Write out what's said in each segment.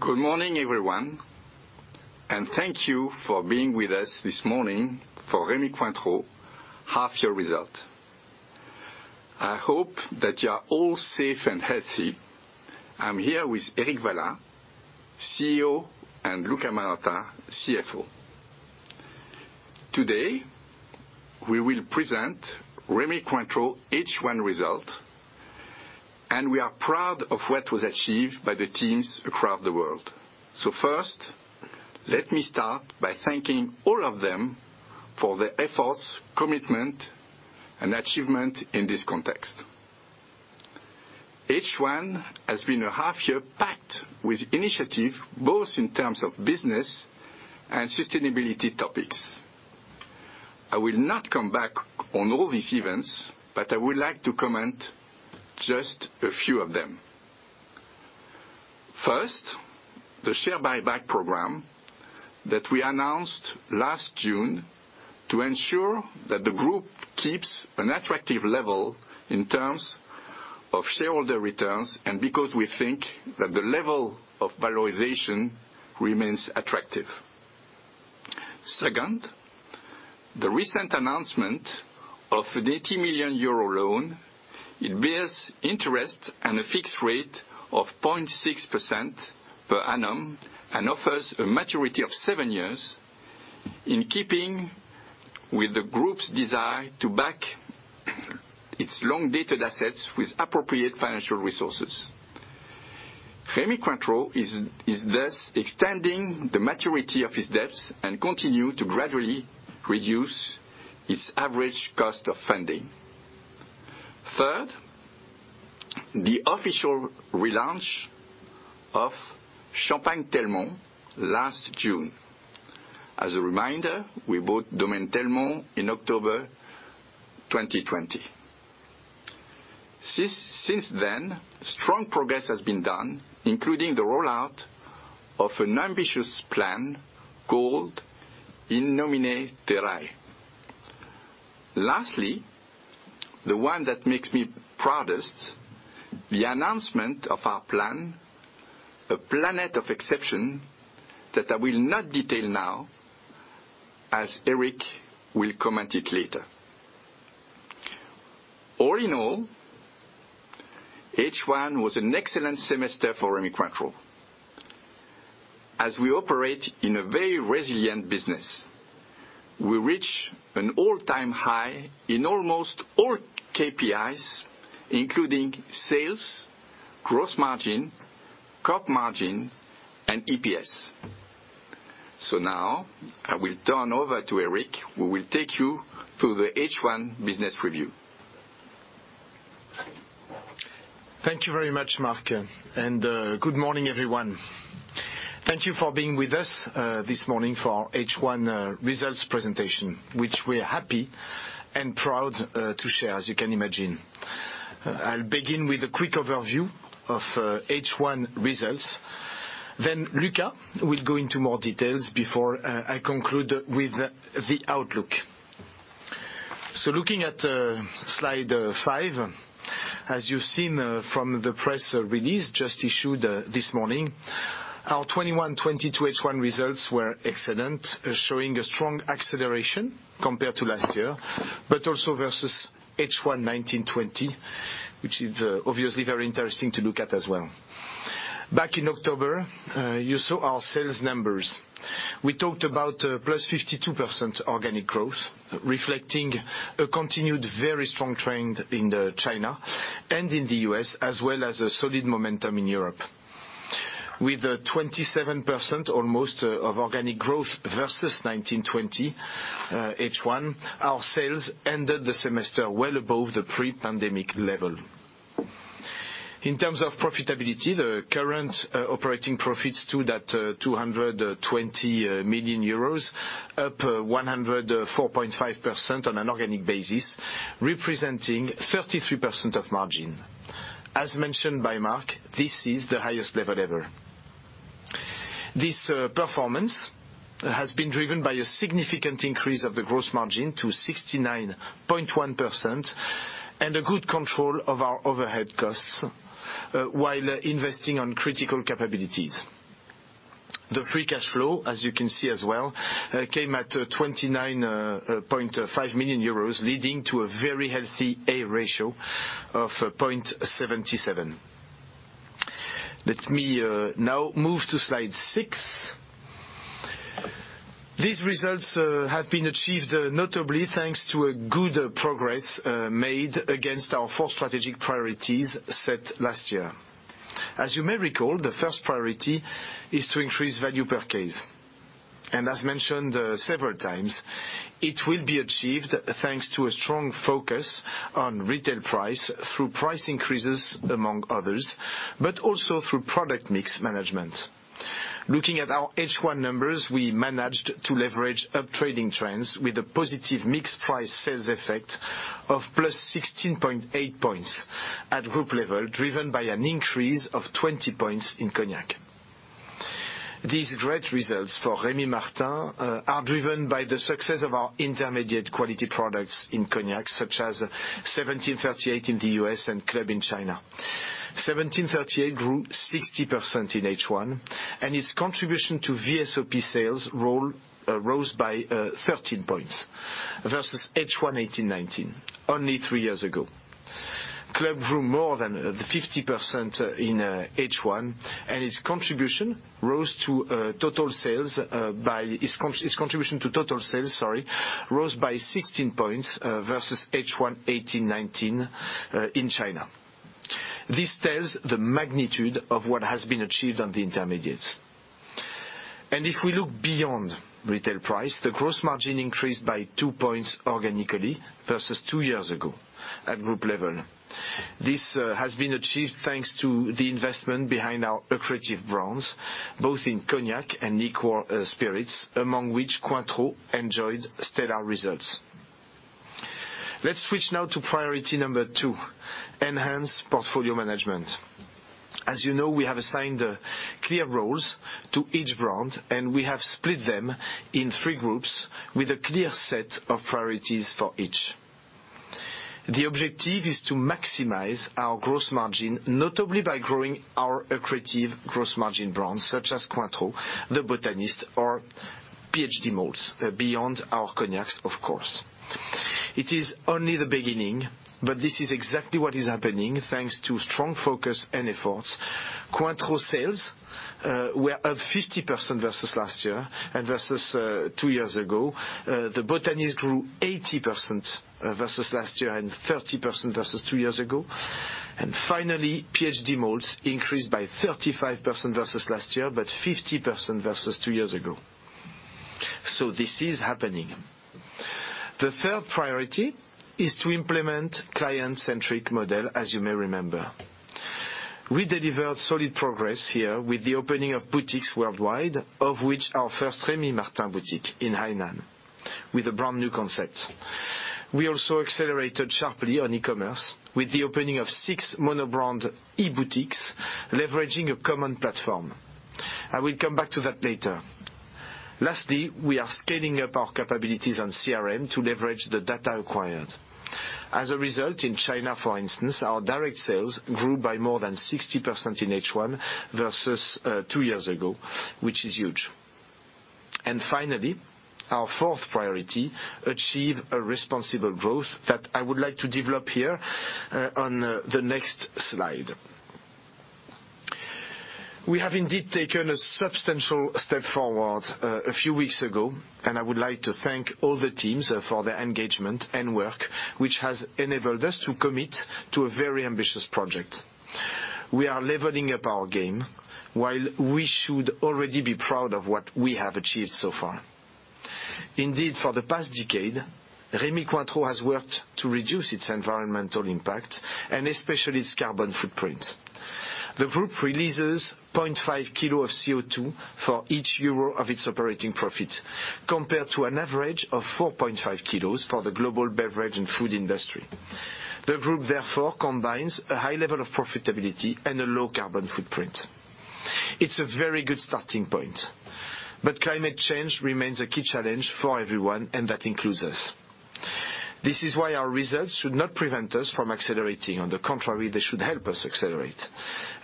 Good morning, everyone, and thank you for being with us this morning for Rémy Cointreau half-year result. I hope that you are all safe and healthy. I'm here with Éric Vallat, CEO, and Luca Marotta, CFO. Today, we will present Rémy Cointreau H1 result, and we are proud of what was achieved by the teams across the world. First, let me start by thanking all of them for their efforts, commitment, and achievement in this context. H1 has been a half-year packed with initiative, both in terms of business and sustainability topics. I will not come back on all these events, but I would like to comment just a few of them. First, the share buyback program that we announced last June to ensure that the group keeps an attractive level in terms of shareholder returns and because we think that the level of valuation remains attractive. Second, the recent announcement of a 80 million euro loan. It bears interest at a fixed rate of 0.6% per annum and offers a maturity of 7 years in keeping with the group's desire to back its long-dated assets with appropriate financial resources. Rémy Cointreau is thus extending the maturity of its debts and continue to gradually reduce its average cost of funding. Third, the official relaunch of Champagne Telmont last June. As a reminder, we bought Domaine Telmont in October 2020. Since then, strong progress has been done, including the rollout of an ambitious plan called In Nomine Terrae. Lastly, the one that makes me proudest, the announcement of our plan, A Planet of Exception, that I will not detail now, as Éric will comment it later. All in all, H1 was an excellent semester for Rémy Cointreau. As we operate in a very resilient business, we reach an all-time high in almost all KPIs, including sales, gross margin, COP margin, and EPS. Now I will turn over to Éric, who will take you through the H1 business review. Thank you very much, Marc, and good morning, everyone. Thank you for being with us this morning for H1 results presentation, which we are happy and proud to share, as you can imagine. I'll begin with a quick overview of H1 results. Then Luca will go into more details before I conclude with the outlook. Looking at slide five, as you've seen from the press release just issued this morning, our 2021-2022 H1 results were excellent, showing a strong acceleration compared to last year but also versus H1 2019-2020, which is obviously very interesting to look at as well. Back in October, you saw our sales numbers. We talked about +52% organic growth, reflecting a continued very strong trend in China and in the U.S. as well as a solid momentum in Europe. With almost 27% organic growth versus 2019-2020 H1, our sales ended the semester well above the pre-pandemic level. In terms of profitability, the current operating profits stood at 220 million euros, up 104.5% on an organic basis, representing 33% margin. As mentioned by Marc, this is the highest level ever. This performance has been driven by a significant increase of the gross margin to 69.1% and a good control of our overhead costs while investing on critical capabilities. The free cash flow, as you can see as well, came at 29.5 million euros, leading to a very healthy a ratio of 0.77. Let me now move to slide six. These results have been achieved notably thanks to a good progress made against our four strategic priorities set last year. As you may recall, the first priority is to increase value per case. As mentioned several times, it will be achieved thanks to a strong focus on retail price through price increases among others, but also through product mix management. Looking at our H1 numbers, we managed to leverage up-trading trends with a positive mix price sales effect of +16.8 points at group level, driven by an increase of 20 points in cognac. These great results for Rémy Martin are driven by the success of our intermediate quality products in cognac, such as 1738 in the U.S. and CLUB in China. 1738 grew 60% in H1, and its contribution to VSOP sales role rose by 13 points versus H1 2018-2019, only three years ago. CLUB grew more than 50% in H1, and its contribution to total sales, sorry, rose by 16 points versus H1 2018-2019 in China. This tells the magnitude of what has been achieved on the intermediates. If we look beyond retail price, the gross margin increased by 2 points organically versus tw years ago at group level. This has been achieved thanks to the investment behind our accretive brands, both in cognac and liqueurs, spirits, among which Cointreau enjoyed stellar results. Let's switch now to priority number two, enhanced portfolio management. As you know, we have assigned clear roles to each brand, and we have split them in three groups with a clear set of priorities for each. The objective is to maximize our gross margin, notably by growing our accretive gross margin brands such as Cointreau, The Botanist, or Islay Malts, beyond our cognacs, of course. It is only the beginning, but this is exactly what is happening thanks to strong focus and efforts. Cointreau sales were up 50% versus last year and versus two years ago. The Botanist grew 80% versus last year and 30% versus two years ago. Finally, PHD Malts increased by 35% versus last year, but 50% versus two years ago. This is happening. The third priority is to implement client-centric model, as you may remember. We delivered solid progress here with the opening of boutiques worldwide, of which our first Rémy Martin boutique in Hainan with a brand-new concept. We also accelerated sharply on e-commerce with the opening of six mono-brand e-boutiques leveraging a common platform. I will come back to that later. Lastly, we are scaling up our capabilities on CRM to leverage the data acquired. As a result, in China, for instance, our direct sales grew by more than 60% in H1 versus two years ago, which is huge. Finally, our fourth priority, achieve a responsible growth that I would like to develop here, on the next slide. We have indeed taken a substantial step forward a few weeks ago, and I would like to thank all the teams for their engagement and work, which has enabled us to commit to a very ambitious project. We are leveling up our game while we should already be proud of what we have achieved so far. Indeed, for the past decade, Rémy Cointreau has worked to reduce its environmental impact and especially its carbon footprint. The group releases 0.5 kg of CO2 for each EUR of its operating profit, compared to an average of 4.5 kg for the global beverage and food industry. The group therefore combines a high level of profitability and a low carbon footprint. It's a very good starting point, but climate change remains a key challenge for everyone, and that includes us. This is why our results should not prevent us from accelerating. On the contrary, they should help us accelerate.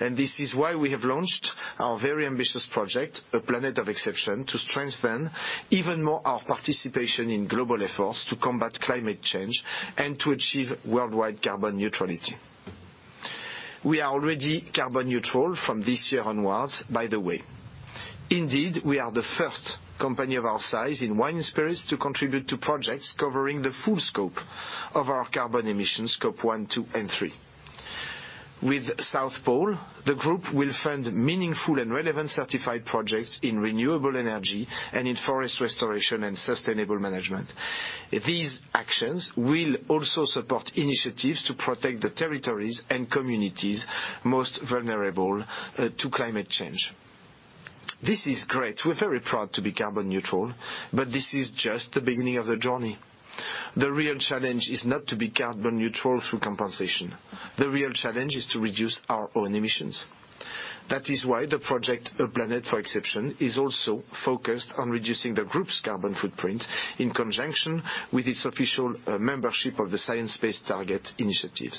This is why we have launched our very ambitious project, A Planet of Exception, to strengthen even more our participation in global efforts to combat climate change and to achieve worldwide carbon neutrality. We are already carbon neutral from this year onwards, by the way. Indeed, we are the first company of our size in wine and spirits to contribute to projects covering the full scope of our carbon emissions, scope one, two, and three. With South Pole, the group will fund meaningful and relevant certified projects in renewable energy and in forest restoration and sustainable management. These actions will also support initiatives to protect the territories and communities most vulnerable to climate change. This is great. We're very proud to be carbon neutral, but this is just the beginning of the journey. The real challenge is not to be carbon neutral through compensation. The real challenge is to reduce our own emissions. That is why the project A Planet of Exception is also focused on reducing the group's carbon footprint in conjunction with its official membership of the Science Based Targets initiative.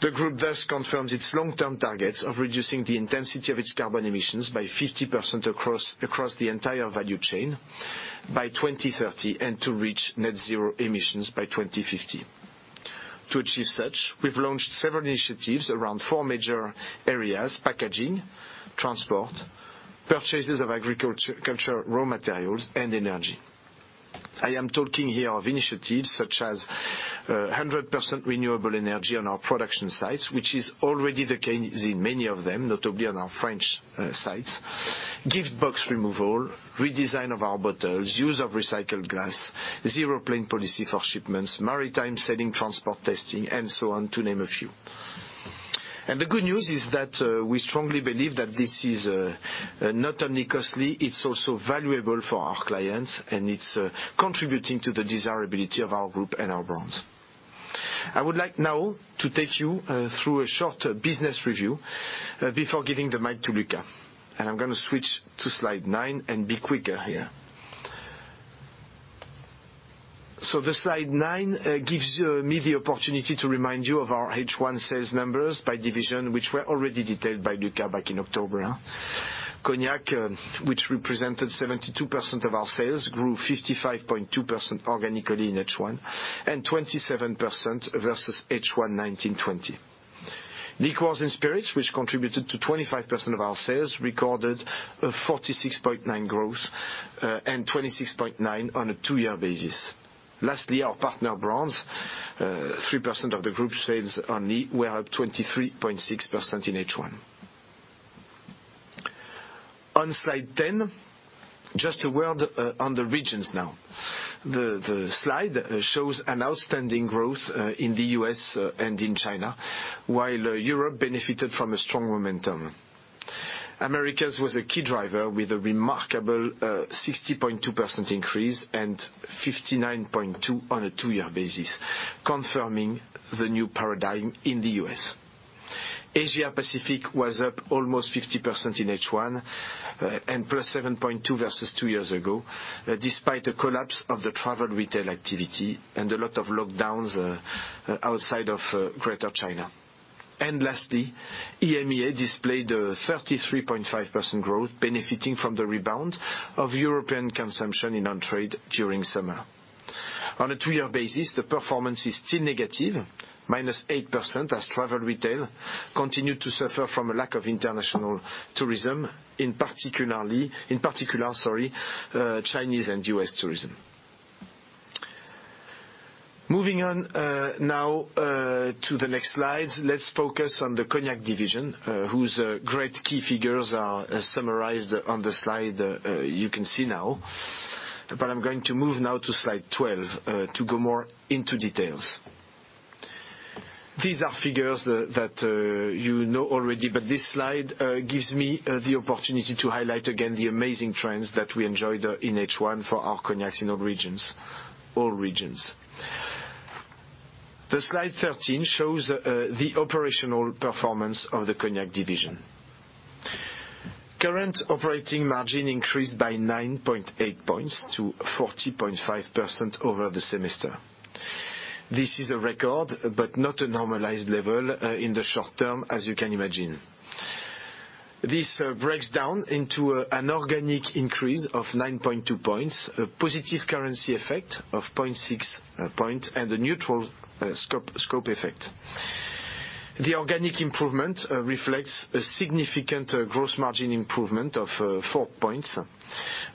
The group thus confirms its long-term targets of reducing the intensity of its carbon emissions by 50% across the entire value chain by 2030 and to reach net zero emissions by 2050. To achieve such, we've launched several initiatives around four major areas, packaging, transport, purchases of agricultural raw materials, and energy. I am talking here of initiatives such as 100% renewable energy on our production sites, which is already the case in many of them, notably on our French sites. Gift box removal, redesign of our bottles, use of recycled glass, zero plane policy for shipments, maritime sailing transport testing, and so on, to name a few. The good news is that we strongly believe that this is not only costly, it's also valuable for our clients, and it's contributing to the desirability of our group and our brands. I would like now to take you through a short business review before giving the mic to Luca. I'm gonna switch to slide 9 and be quicker here. The Slide 9 gives me the opportunity to remind you of our H1 sales numbers by division, which were already detailed by Luca back in October. Cognac, which represented 72% of our sales, grew 55.2% organically in H1 and 27% versus H1 2019/20. Liqueurs & Spirits, which contributed to 25% of our sales, recorded a 46.9% growth and 26.9% on a two-year basis. Lastly, our partner brands, 3% of the group sales only, were up 23.6% in H1. On Slide 10, just a word on the regions now. The slide shows an outstanding growth in the U.S. and in China, while Europe benefited from a strong momentum. Americas was a key driver with a remarkable 60.2% increase and 59.2% on a two-year basis, confirming the new paradigm in the U.S. Asia Pacific was up almost 50% in H1 and +7.2% versus two years ago, despite the collapse of the travel retail activity and a lot of lockdowns outside of Greater China. Lastly, EMEA displayed a 33.5% growth benefiting from the rebound of European consumption in on-trade during summer. On a two-year basis, the performance is still negative, -8%, as travel retail continued to suffer from a lack of international tourism, in particular, Chinese and U.S. tourism. Moving on, now, to the next slides, let's focus on the Cognac division, whose great key figures are summarized on the slide you can see now. I'm going to move now to slide 12, to go more into details. These are figures that you know already, but this slide gives me the opportunity to highlight again the amazing trends that we enjoyed in H1 for our cognacs in all regions. Slide 13 shows the operational performance of the Cognac division. Current operating margin increased by 9.8 points to 40.5% over the semester. This is a record, but not a normalized level in the short term, as you can imagine. This breaks down into an organic increase of 9.2 points, a positive currency effect of 0.6 point, and a neutral scope effect. The organic improvement reflects a significant gross margin improvement of 4 points,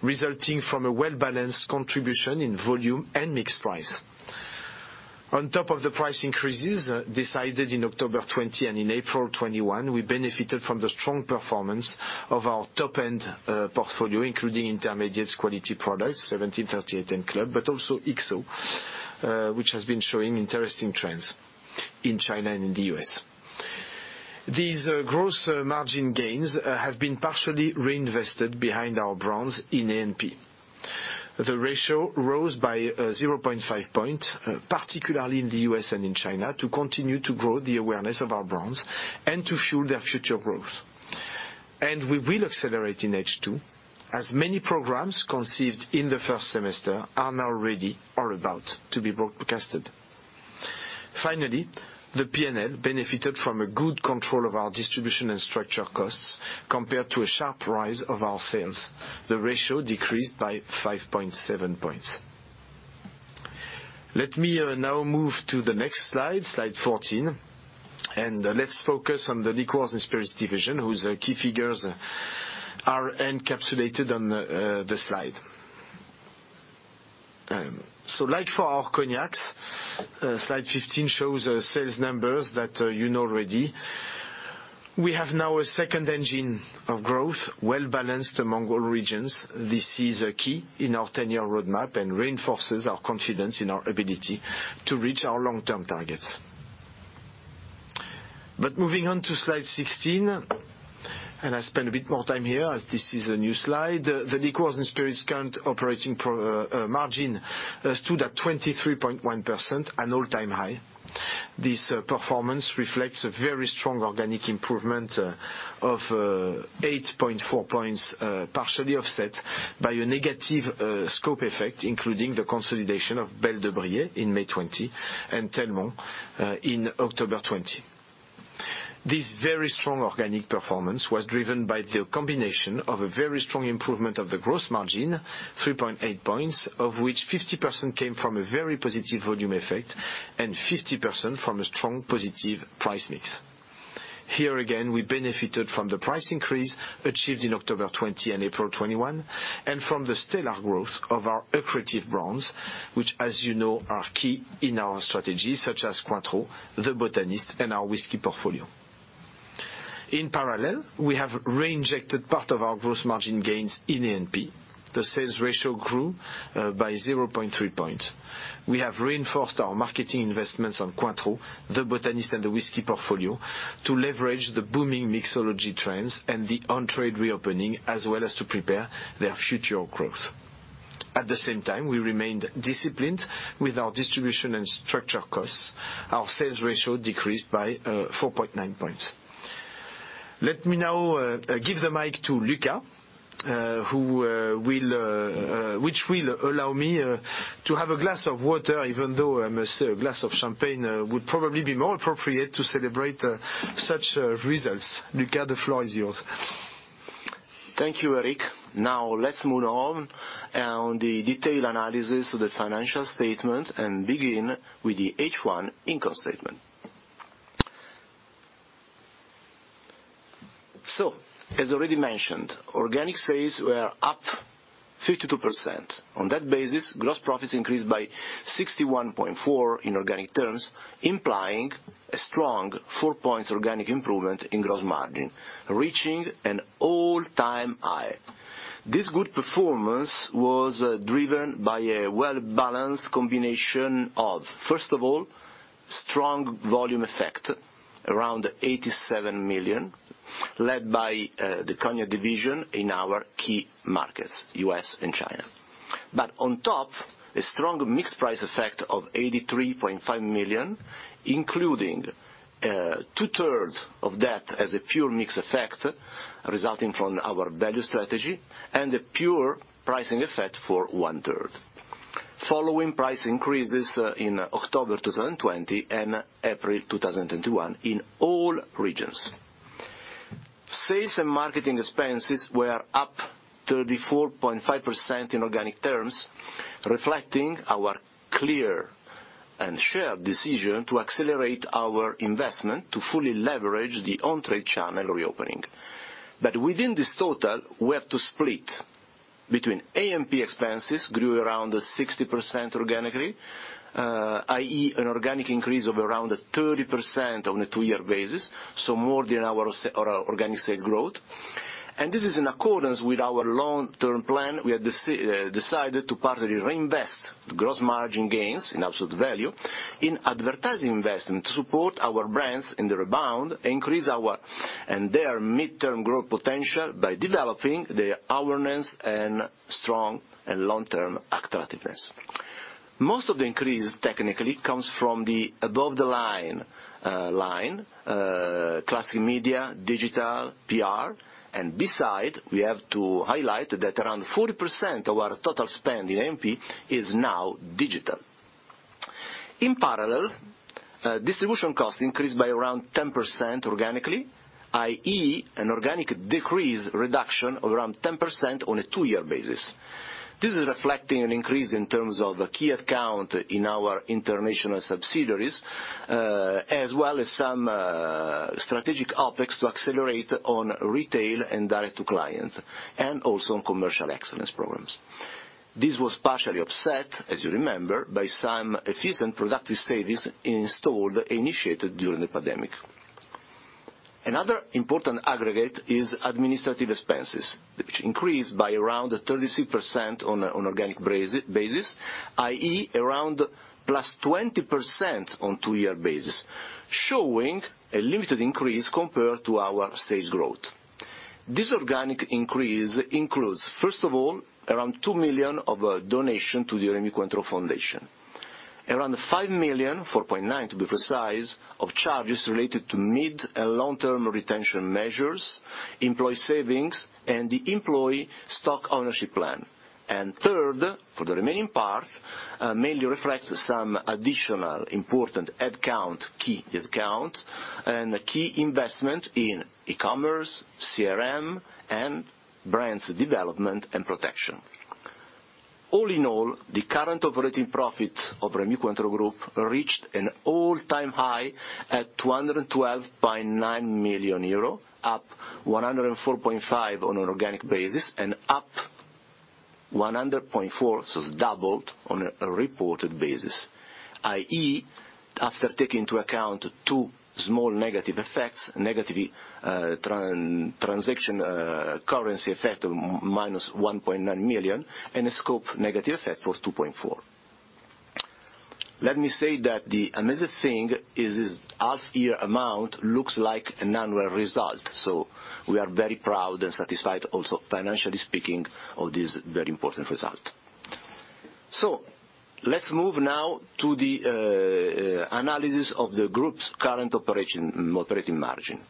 resulting from a well-balanced contribution in volume and mix price. On top of the price increases decided in October 2020 and in April 2021, we benefited from the strong performance of our top-end portfolio, including intermediate quality products, 1738 and CLUB, but also XO, which has been showing interesting trends in China and in the U.S. These gross margin gains have been partially reinvested behind our brands in A&P. The ratio rose by 0.5 point, particularly in the U.S. and in China, to continue to grow the awareness of our brands and to fuel their future growth. We will accelerate in H2, as many programs conceived in the first semester are now ready or about to be broadcast. Finally, the P&L benefited from a good control of our distribution and structure costs compared to a sharp rise of our sales. The ratio decreased by 5.7 points. Let me now move to the next slide 14, and let's focus on the Liqueurs and Spirits division, whose key figures are encapsulated on the slide. So like for our cognacs, slide 15 shows sales numbers that you know already. We have now a second engine of growth, well-balanced among all regions. This is a key in our 10-year roadmap and reinforces our confidence in our ability to reach our long-term targets. Moving on to slide 16, I spend a bit more time here as this is a new slide. The Liqueurs and Spirits current operating margin stood at 23.1%, an all-time high. This performance reflects a very strong organic improvement of 8.4 points, partially offset by a negative scope effect, including the consolidation of Belle de Brillet in May 2020 and Telmont in October 2020. This very strong organic performance was driven by the combination of a very strong improvement of the gross margin, 3.8 points, of which 50% came from a very positive volume effect and 50% from a strong positive price mix. Here again, we benefited from the price increase achieved in October 2020 and April 2021 and from the stellar growth of our accretive brands, which, as you know, are key in our strategy, such as Cointreau, The Botanist, and our whiskey portfolio. In parallel, we have reinjected part of our gross margin gains in A&P. The sales ratio grew by 0.3 points. We have reinforced our marketing investments on Cointreau, The Botanist, and the whiskey portfolio to leverage the booming mixology trends and the on-trade reopening, as well as to prepare their future growth. At the same time, we remained disciplined with our distribution and structure costs. Our sales ratio decreased by 4.9 points. Let me now give the mic to Luca, which will allow me to have a glass of water, even though I must say a glass of champagne would probably be more appropriate to celebrate such results. Luca, the floor is yours. Thank you, Éric. Now let's move on to the detailed analysis of the financial statement and begin with the H1 income statement. As already mentioned, organic sales were up 52%. On that basis, gross profits increased by 61.4 million in organic terms, implying a strong four points organic improvement in gross margin, reaching an all-time high. This good performance was driven by a well-balanced combination of, first of all, strong volume effect around 87 million, led by the cognac division in our key markets, U.S. and China. On top, a strong mixed price effect of 83.5 million, including two-thirds of that as a pure mix effect resulting from our value strategy and a pure pricing effect for one-third. Following price increases in October 2020 and April 2021 in all regions. Sales and marketing expenses were up 34.5% in organic terms, reflecting our clear and shared decision to accelerate our investment to fully leverage the on-trade channel reopening. Within this total, we have to split between A&P expenses grew around 60% organically, i.e., an organic increase of around 30% on a two-year basis, so more than our organic sales growth. This is in accordance with our long-term plan. We have decided to partly reinvest gross margin gains in absolute value in advertising investment to support our brands in the rebound, increase our and their midterm growth potential by developing the awareness and strong and long-term attractiveness. Most of the increase, technically, comes from the above-the-line classic media, digital, PR. Besides, we have to highlight that around 40% of our total spend in A&P is now digital. In parallel, distribution costs increased by around 10% organically, i.e., an organic reduction of around 10% on a 2-year basis. This is reflecting an increase in terms of key account in our international subsidiaries, as well as some strategic OpEx to accelerate on retail and direct to client and also on commercial excellence programs. This was partially offset, as you remember, by some efficient productive savings initiated during the pandemic. Another important aggregate is administrative expenses, which increased by around 33% on an organic basis, i.e., around +20% on 2-year basis, showing a limited increase compared to our sales growth. This organic increase includes, first of all, around 2 million of donation to the Fondation Rémy Cointreau. Around 5 million, 4.9 to be precise, of charges related to mid- and long-term retention measures, employee savings, and the employee stock ownership plan. Third, for the remaining parts, mainly reflects some additional important ad spend, key ad spend and key investment in e-commerce, CRM and brands development and protection. All in all, the current operating profit of Rémy Cointreau Group reached an all-time high at 212.9 million euro, up 104.5% on an organic basis and up 100.4%, so it's doubled, on a reported basis. i.e., after taking into account two small negative effects, negatively, transaction currency effect of minus 1.9 million and a scope negative effect was 2.4 million. Let me say that the amazing thing is this half-year amount looks like an annual result. We are very proud and satisfied also, financially speaking, of this very important result. Let's move now to the analysis of the group's current operating margin.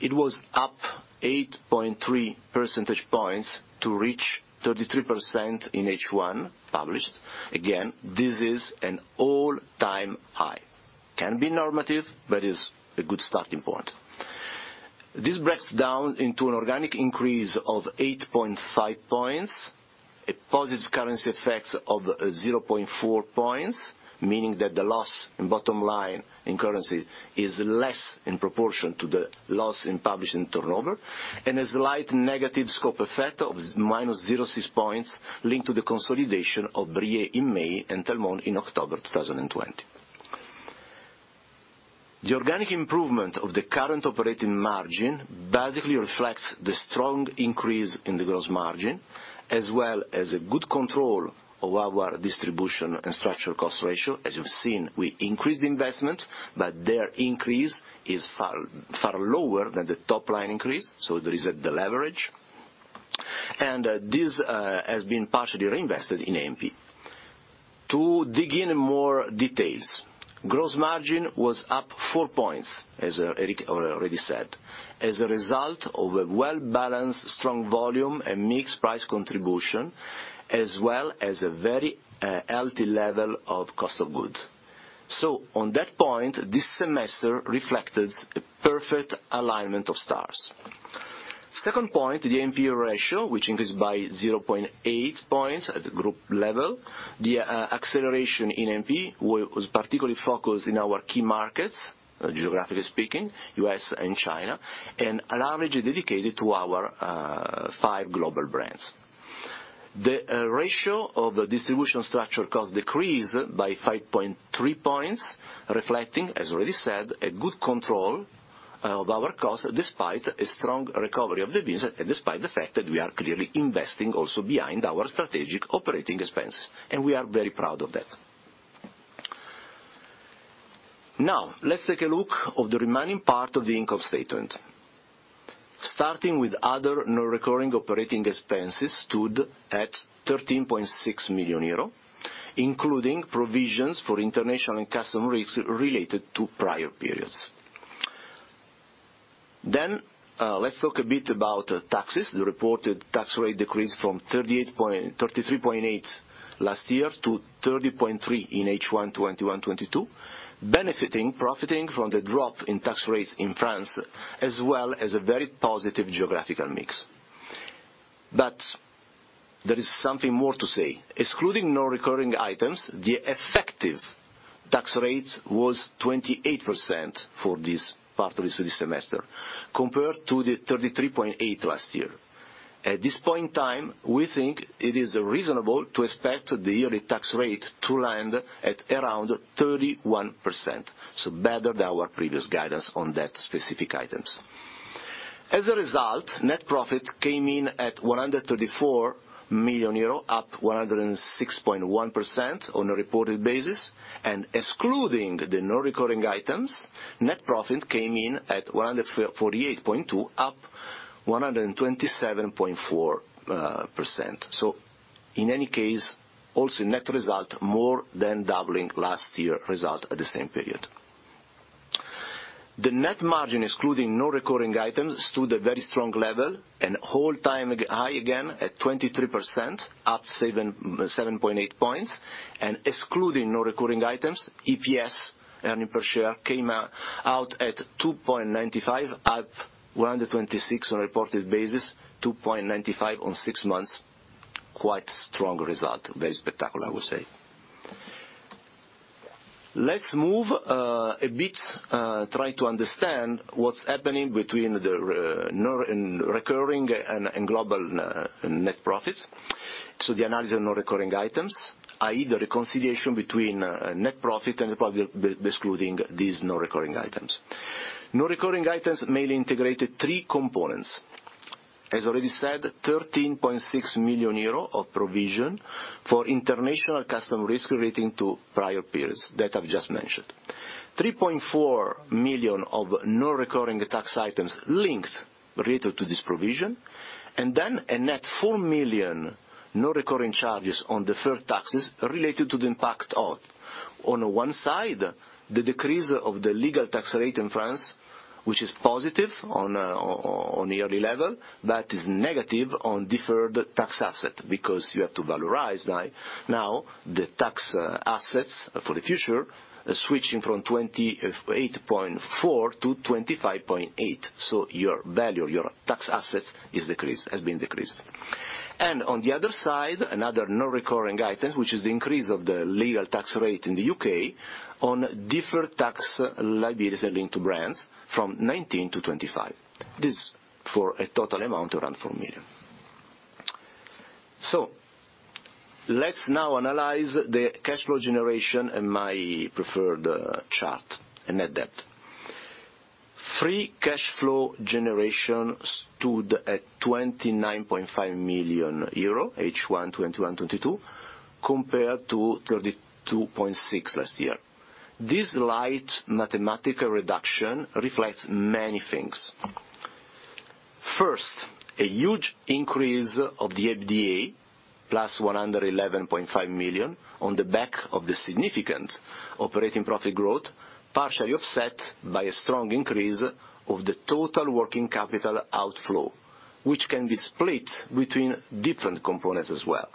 It was up 8.3 percentage points to reach 33% in H1 published. Again, this is an all-time high. Can be normative, but is a good starting point. This breaks down into an organic increase of 8.5 points, a positive currency effect of 0.4 points, meaning that the loss in bottom line in currency is less in proportion to the loss in published turnover, and a slight negative scope effect of -0.6 points linked to the consolidation of Brillet in May and Telmont in October 2020. The organic improvement of the current operating margin basically reflects the strong increase in the gross margin, as well as a good control of our distribution and structural cost ratio. As you've seen, we increased investment, but their increase is far, far lower than the top line increase. There is the leverage. This has been partially reinvested in A&P. To dig in more details. Gross margin was up 4%, as Éric already said, as a result of a well-balanced strong volume and mix price contribution, as well as a very healthy level of cost of goods. On that point, this semester reflected a perfect alignment of stars. Second point, the A&P ratio, which increased by 0.8% at the group level. The acceleration in A&P was particularly focused in our key markets, geographically speaking, U.S. and China, and largely dedicated to our five global brands. The ratio of the distribution structure cost decreased by 5.3 points, reflecting, as already said, a good control of our costs, despite a strong recovery of the business, and despite the fact that we are clearly investing also behind our strategic operating expense, and we are very proud of that. Now, let's take a look of the remaining part of the income statement. Starting with other non-recurring operating expenses stood at 13.6 million euro, including provisions for international and customs risks related to prior periods. Let's talk a bit about taxes. The reported tax rate decreased from 38 point... 33.8% last year to 30.3% in H1 2021-22, benefiting from the drop in tax rates in France, as well as a very positive geographical mix. There is something more to say. Excluding non-recurring items, the effective tax rate was 28% for this part of this semester compared to the 33.8% last year. At this point in time, we think it is reasonable to expect the yearly tax rate to land at around 31%, so better than our previous guidance on that specific items. As a result, net profit came in at 134 million euro, up 106.1% on a reported basis. Excluding the non-recurring items, net profit came in at 104.8, up 127.4%. In any case, also net result more than doubling last year result at the same period. The net margin, excluding non-recurring items, stood at a very strong level and all-time high again at 23%, up 7.8 points. Excluding non-recurring items, EPS, earnings per share, came out at 2.95, up 126% on a reported basis, 2.95 on six months. Quite strong result. Very spectacular, I would say. Let's move a bit, try to understand what's happening between the recurring and non-recurring and global net profits. The analysis of non-recurring items, i.e., the reconciliation between net profit and the profit excluding these non-recurring items. Non-recurring items mainly integrated three components. As already said, 13.6 million euro of provision for international customs risk relating to prior periods that I've just mentioned. 3.4 million of non-recurring tax items linked, related to this provision, and then a net 4 million non-recurring charges on deferred taxes related to the impact of, on one side, the decrease of the legal tax rate in France, which is positive on a yearly level but is negative on deferred tax asset because you have to valorize now the tax assets for the future, switching from 28.4 to 25.8. Your value, your tax assets has been decreased. On the other side, another non-recurring item, which is the increase of the legal tax rate in the U.K. on deferred tax liabilities linked to brands from 19 to 25. This for a total amount around 4 million. Let's now analyze the cash flow generation in my preferred chart, and net debt. Free cash flow generation stood at 29.5 million euro, H1 2021-2022, compared to 32.6 million last year. This slight mathematical reduction reflects many things. First, a huge increase of the CapEx, +111.5 million on the back of the significant operating profit growth, partially offset by a strong increase of the total working capital outflow, which can be split between different components as well.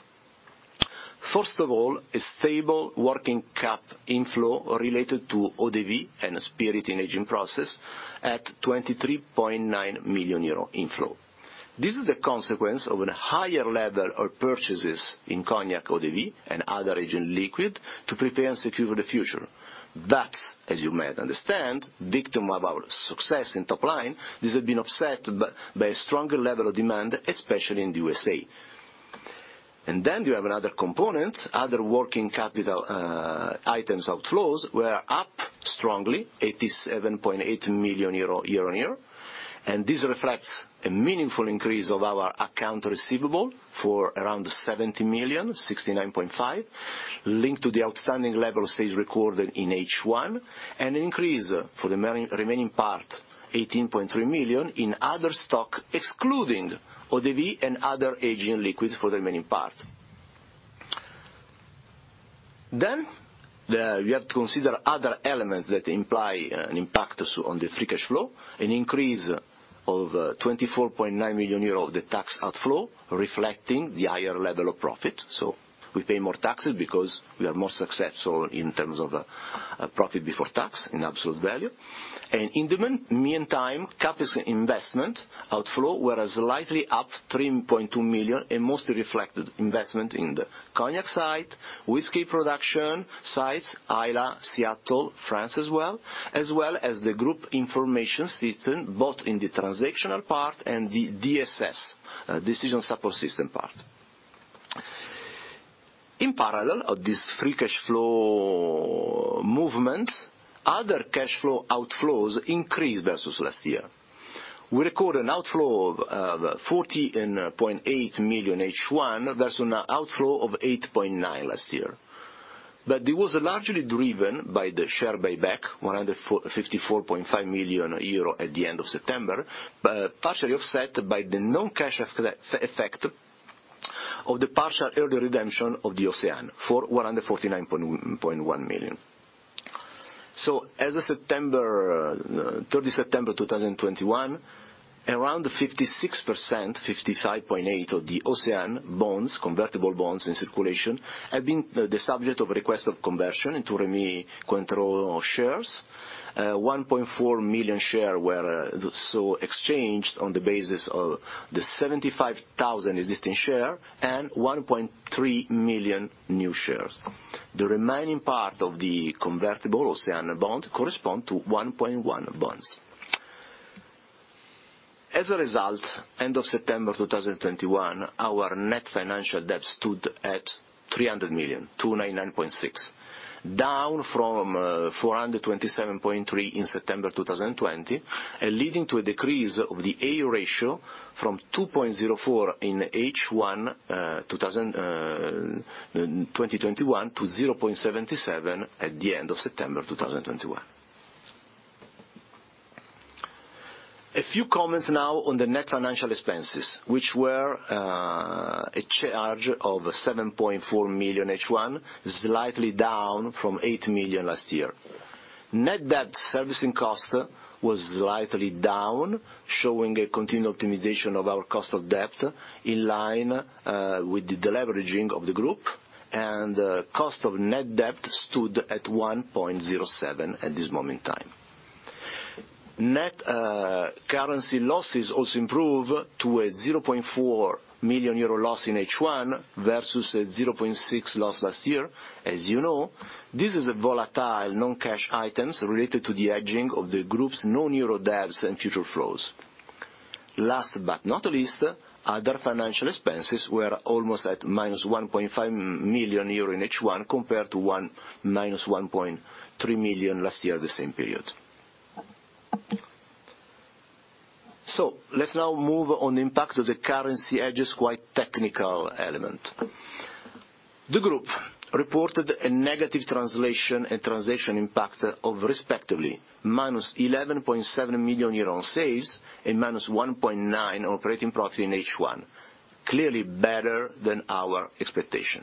First of all, a stable working cap inflow related to ODV and spirit in aging process at 23.9 million euro inflow. This is a consequence of a higher level of purchases in cognac ODV and other aging liquid to prepare and secure the future. That, as you might understand, victim of our success in top line, this has been offset by a stronger level of demand, especially in the U.S.A. Then you have another component. Other working capital items outflows were up strongly, 87.8 million euro year-on-year. This reflects a meaningful increase of our accounts receivable for around 70 million, 69.5, linked to the outstanding level sales recorded in H1, and an increase for the remaining part, 18.3 million, in other stock, excluding eaux-de-vie and other aging liquids for the remaining part. We have to consider other elements that imply an impact on the free cash flow, an increase of 24.9 million euros in the tax outflow, reflecting the higher level of profit. We pay more taxes because we are more successful in terms of profit before tax in absolute value. In the meantime, CapEx investment outflows were slightly up 3.2 million, and mostly reflected investment in the cognac side, whiskey production sites, Islay, Seattle, France as well as the group information system, both in the transactional part and the DSS, decision support system part. In parallel of this free cash flow movement, other cash flow outflows increased versus last year. We record an outflow of 40.8 million H1 versus an outflow of 8.9 million last year. It was largely driven by the share buyback, 54.5 million euro at the end of September, but partially offset by the non-cash effect of the partial early redemption of the OCEANE for 149.1 million. As of September 3, 2021, around 56%, 55.8% of the OCEANE bonds, convertible bonds in circulation, have been the subject of request of conversion into Rémy Cointreau shares. 1.4 million shares were so exchanged on the basis of the 75,000 existing shares and 1.3 million new shares. The remaining part of the convertible OCEANE bond correspond to 1.1 billion. As a result, at the end of September 2021, our net financial debt stood at 300 million, 299.6 million. Down from 427.3 million in September 2020, and leading to a decrease of the A ratio from 2.04 in H1 2021 to 0.77 at the end of September 2021. A few comments now on the net financial expenses, which were a charge of 7.4 million in H1, slightly down from 8 million last year. Net debt servicing cost was slightly down, showing a continued optimization of our cost of debt in line with the deleveraging of the group, and cost of net debt stood at 1.07% at this moment in time. Net currency losses also improved to a 0.4 million euro loss in H1 versus a 0.6 loss last year. As you know, this is a volatile non-cash items related to the hedging of the group's non-euro debts and future flows. Last but not least, other financial expenses were almost at minus 1.5 million euro in H1 compared to minus 1.3 million last year the same period. Let's now move on to the impact of the currency hedges, a quite technical element. The group reported a negative translation and transaction impact of respectively -11.7 million euro in sales and -1.9 million operating profit in H1, clearly better than our expectation.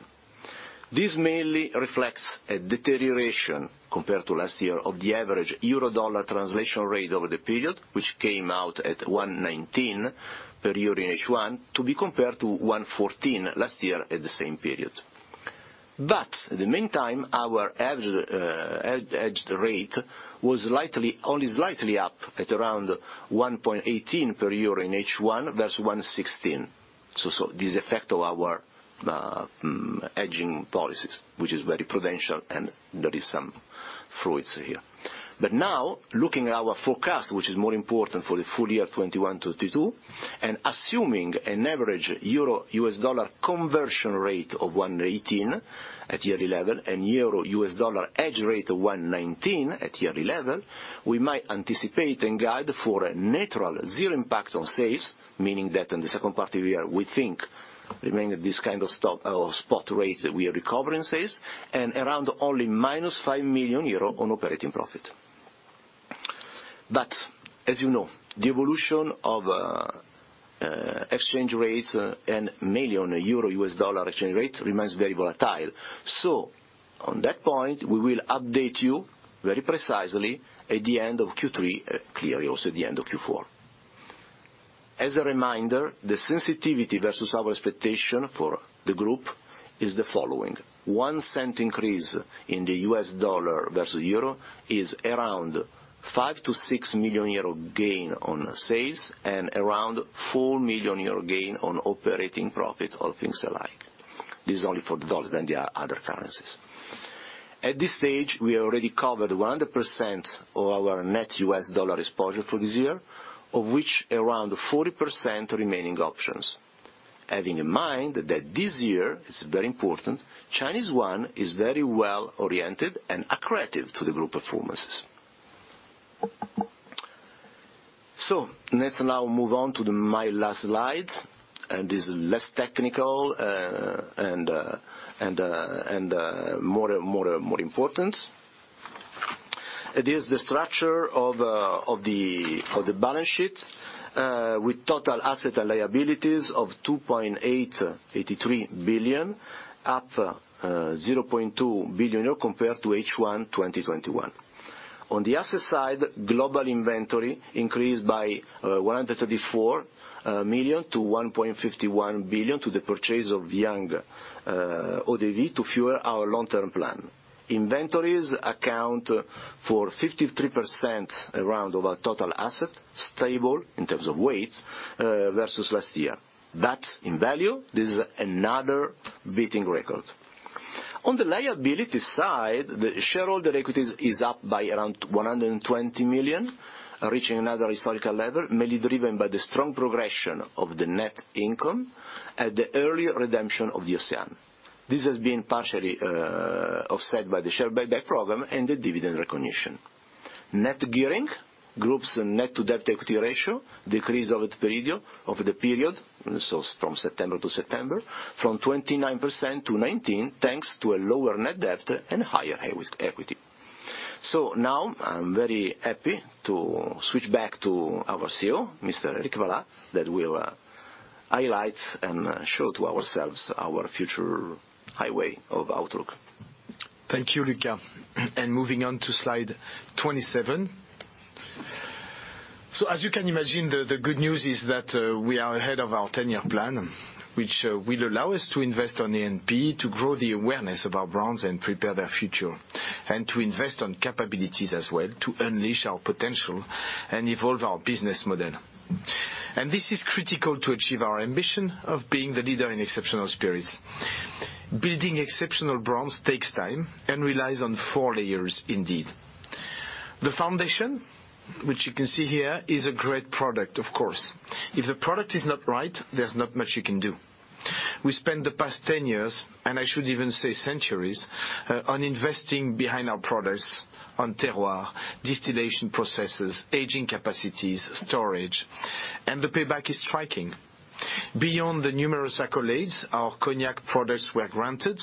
This mainly reflects a deterioration compared to last year of the average euro-dollar translation rate over the period, which came out at 1.19 per euro in H1 to be compared to 1.14 last year at the same period. In the meantime, our average hedged rate was slightly, only slightly up at around 1.18 per euro in H1 versus 1.16. This effect of our hedging policies, which is very prudent and there is some fruit here. Now looking at our forecast, which is more important for the full year 2021-2022, and assuming an average euro-U.S. dollar conversion rate of 1.18 at yearly level and euro-U.S. dollar hedge rate of 1.19 at yearly level, we might anticipate and guide for a neutral zero impact on sales, meaning that in the second part of the year, we think remaining at this kind of spot, or spot rates that we are recovering sales and around only -5 million euro on operating profit. As you know, the evolution of exchange rates and mainly on euro-U.S. dollar exchange rate remains very volatile. On that point, we will update you very precisely at the end of Q3, clearly also at the end of Q4. As a reminder, the sensitivity versus our expectation for the group is the following. One cent increase in the US dollar versus euro is around 5-6 million euro gain on sales and around 4 million euro gain on operating profit, all things alike. This is only for the dollars, then there are other currencies. At this stage, we already covered 100% of our net US dollar exposure for this year, of which around 40% remaining options. Having in mind that this year, this is very important, Chinese yuan is very well oriented and accretive to the group performances. Let's now move on to my last slide, and is less technical, more important. It is the structure of the balance sheet with total assets and liabilities of 2.883 billion, up 0.2 billion compared to H1 2021. On the asset side, global inventory increased by 134 million to 1.51 billion to the purchase of young eau-de-vie to fuel our long-term plan. Inventories account for 53% of our total assets, stable in terms of weight versus last year. That in value, this is another record-beating. On the liability side, the shareholder equities is up by around 120 million, reaching another historical level, mainly driven by the strong progression of the net income at the early redemption of the OCEANE. This has been partially offset by the share buyback program and the dividend recognition. Net gearing, group's net debt to equity ratio decreased over the period, so from September to September, from 29% to 19%, thanks to a lower net debt and higher equity. Now I'm very happy to switch back to our CEO, Mr. Éric Vallat, that will highlight and show to ourselves our future high-level outlook. Thank you, Luca. Moving on to slide 27. As you can imagine, the good news is that we are ahead of our 10-year plan, which will allow us to invest on A&P to grow the awareness of our brands and prepare their future, and to invest on capabilities as well to unleash our potential and evolve our business model. This is critical to achieve our ambition of being the leader in exceptional spirits. Building exceptional brands takes time and relies on four layers indeed. The foundation, which you can see here, is a great product, of course. If the product is not right, there's not much you can do. We spent the past 10 years, and I should even say centuries, on investing behind our products, on terroir, distillation processes, aging capacities, storage, and the payback is striking. Beyond the numerous accolades our cognac products were granted,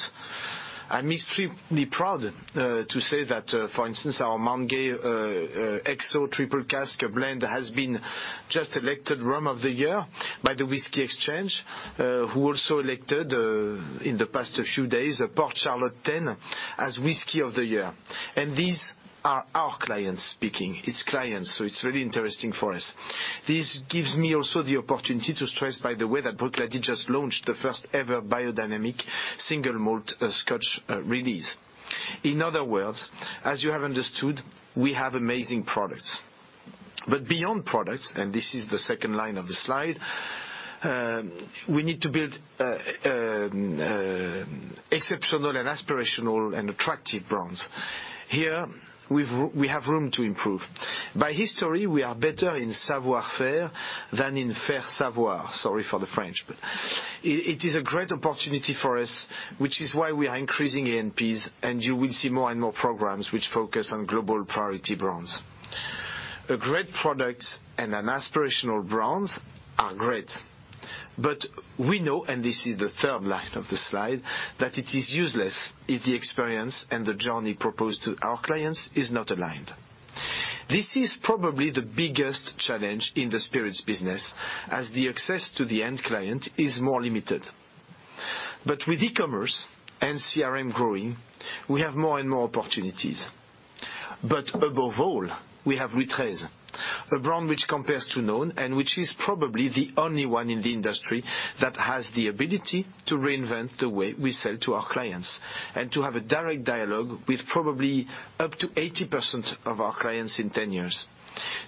I'm extremely proud to say that, for instance, our Mount Gay XO Triple Cask blend has been just elected Rum of the Year by the Whisky Exchange, who also elected, in the past few days, Port Charlotte 10 as Whisky of the Year. These are our clients speaking. It's clients, so it's really interesting for us. This gives me also the opportunity to stress, by the way, that Pernod Ricard just launched the first ever biodynamic single malt Scotch release. In other words, as you have understood, we have amazing products. But beyond products, and this is the second line of the slide, we need to build exceptional and aspirational and attractive brands. Here we have room to improve. By history, we are better in savoir-faire than in faire-savoir. Sorry for the French. It is a great opportunity for us, which is why we are increasing A&Ps, and you will see more and more programs which focus on global priority brands. A great product and an aspirational brands are great. We know, and this is the third line of the slide, that it is useless if the experience and the journey proposed to our clients is not aligned. This is probably the biggest challenge in the spirits business, as the access to the end client is more limited. With e-commerce and CRM growing, we have more and more opportunities. above all, we have LOUIS XIII, a brand which compares to none, and which is probably the only one in the industry that has the ability to reinvent the way we sell to our clients, and to have a direct dialogue with probably up to 80% of our clients in 10 years.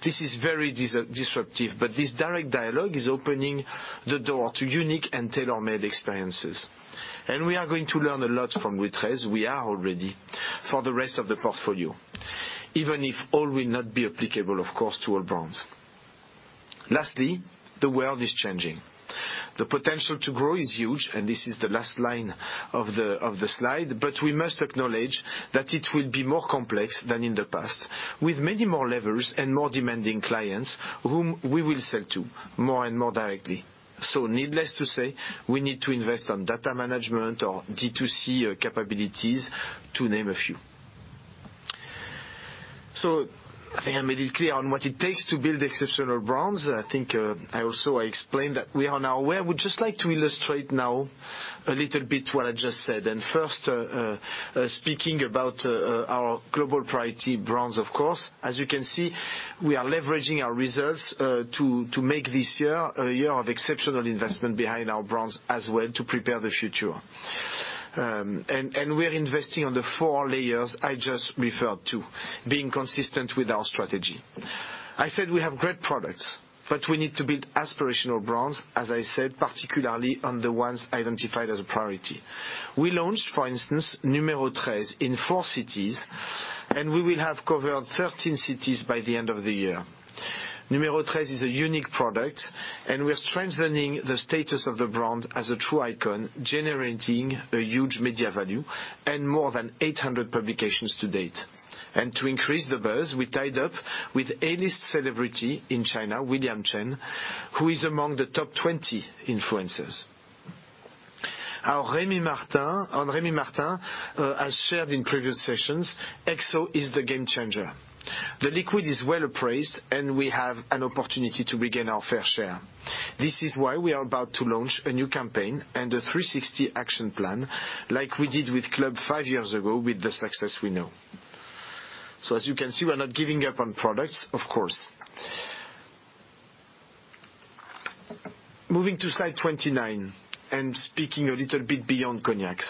This is very disruptive, but this direct dialogue is opening the door to unique and tailor-made experiences. We are going to learn a lot from LOUIS XIII. We are already for the rest of the portfolio, even if all will not be applicable, of course, to all brands. Lastly, the world is changing. The potential to grow is huge, and this is the last line of the slide. We must acknowledge that it will be more complex than in the past, with many more levers and more demanding clients whom we will sell to more and more directly. Needless to say, we need to invest on data management or D2C capabilities, to name a few. I have made it clear on what it takes to build exceptional brands. I think, I also explained that we are now aware. We'd just like to illustrate now a little bit what I just said. First, speaking about our global priority brands, of course. As you can see, we are leveraging our reserves to make this year a year of exceptional investment behind our brands as well to prepare the future. We're investing on the four layers I just referred to, being consistent with our strategy. I said we have great products, but we need to build aspirational brands, as I said, particularly on the ones identified as a priority. We launched, for instance, Numéro Treize in four cities, and we will have covered 13 cities by the end of the year. Numéro Treize is a unique product, and we're strengthening the status of the brand as a true icon, generating a huge media value and more than 800 publications to date. To increase the buzz, we tied up with A-list celebrity in China, William Chan, who is among the top 20 influencers. On Rémy Martin, as shared in previous sessions, XO is the game changer. The liquid is well appraised, and we have an opportunity to regain our fair share. This is why we are about to launch a new campaign and a 360 action plan, like we did with CLUB 5 years ago with the success we know. As you can see, we're not giving up on products, of course. Moving to slide 29, and speaking a little bit beyond cognacs.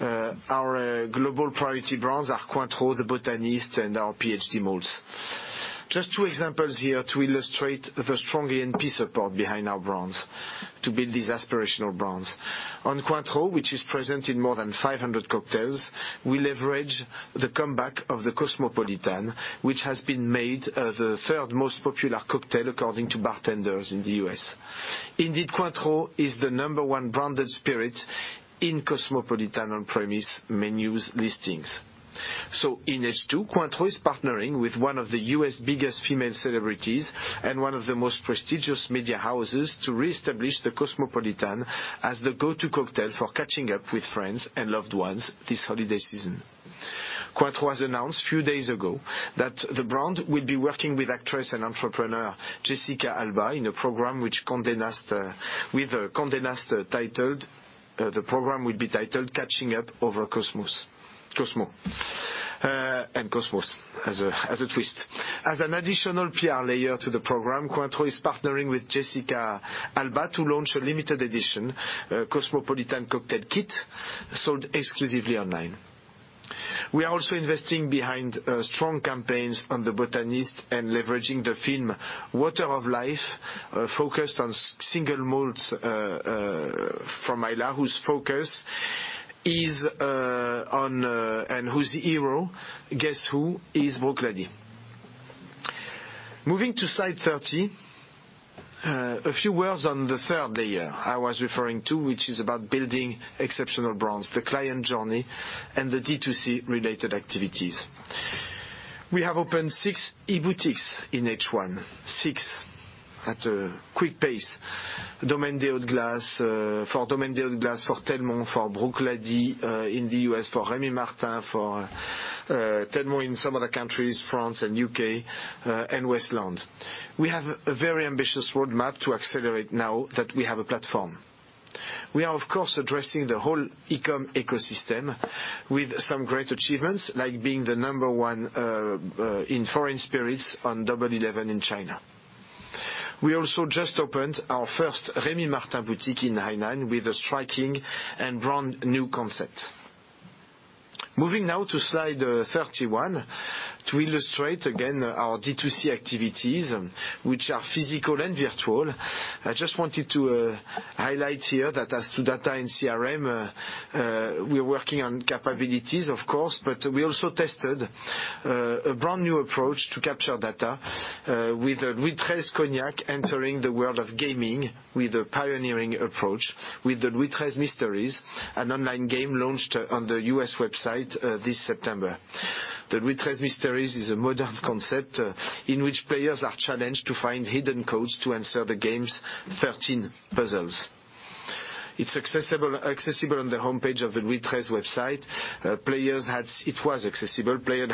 Our global priority brands are Cointreau, The Botanist, and our Islay malts. Just two examples here to illustrate the strong ENP support behind our brands to build these aspirational brands. On Cointreau, which is present in more than 500 cocktails, we leverage the comeback of the Cosmopolitan, which has been made the third most popular cocktail according to bartenders in the U.S. Indeed, Cointreau is the number one branded spirit in Cosmopolitan on-premise menus listings. In H2, Cointreau is partnering with one of the U.S.' biggest female celebrities and one of the most prestigious media houses to reestablish the Cosmopolitan as the go-to cocktail for catching up with friends and loved ones this holiday season. Cointreau has announced a few days ago that the brand will be working with actress and entrepreneur Jessica Alba in a program which Condé Nast titled Catching Up Over Cosmos. Cosmo and Cosmos as a twist. As an additional PR layer to the program, Cointreau is partnering with Jessica Alba to launch a limited edition Cosmopolitan cocktail kit sold exclusively online. We are also investing behind strong campaigns on The Botanist and leveraging the film The Water of Life focused on single malts from Islay, whose focus is on and whose hero, guess who, is Bruichladdich. Moving to slide 30, a few words on the third layer I was referring to, which is about building exceptional brands, the client journey, and the D2C related activities. We have opened 6 e-boutiques in H1. Six at a quick pace. For Domaine des Hautes Glaces, for Telmont, for Bruichladdich in the U.S., for Rémy Martin, for Telmont in some other countries, France and U.K., and Westland. We have a very ambitious roadmap to accelerate now that we have a platform. We are, of course, addressing the whole e-com ecosystem with some great achievements, like being the number 1 in foreign spirits on Double Eleven in China. We also just opened our first Rémy Martin boutique in Hainan with a striking and brand new concept. Moving now to slide 31 to illustrate again our D2C activities, which are physical and virtual. I just wanted to highlight here that as to data in CRM, we're working on capabilities, of course, but we also tested a brand-new approach to capture data with LOUIS XIII Cognac entering the world of gaming with a pioneering approach with the LOUIS XIII Mysteries, an online game launched on the U.S. website this September. The LOUIS XIII Mysteries is a modern concept in which players are challenged to find hidden codes to answer the game's 13 puzzles. It's accessible on the homepage of the LOUIS XIII website. Players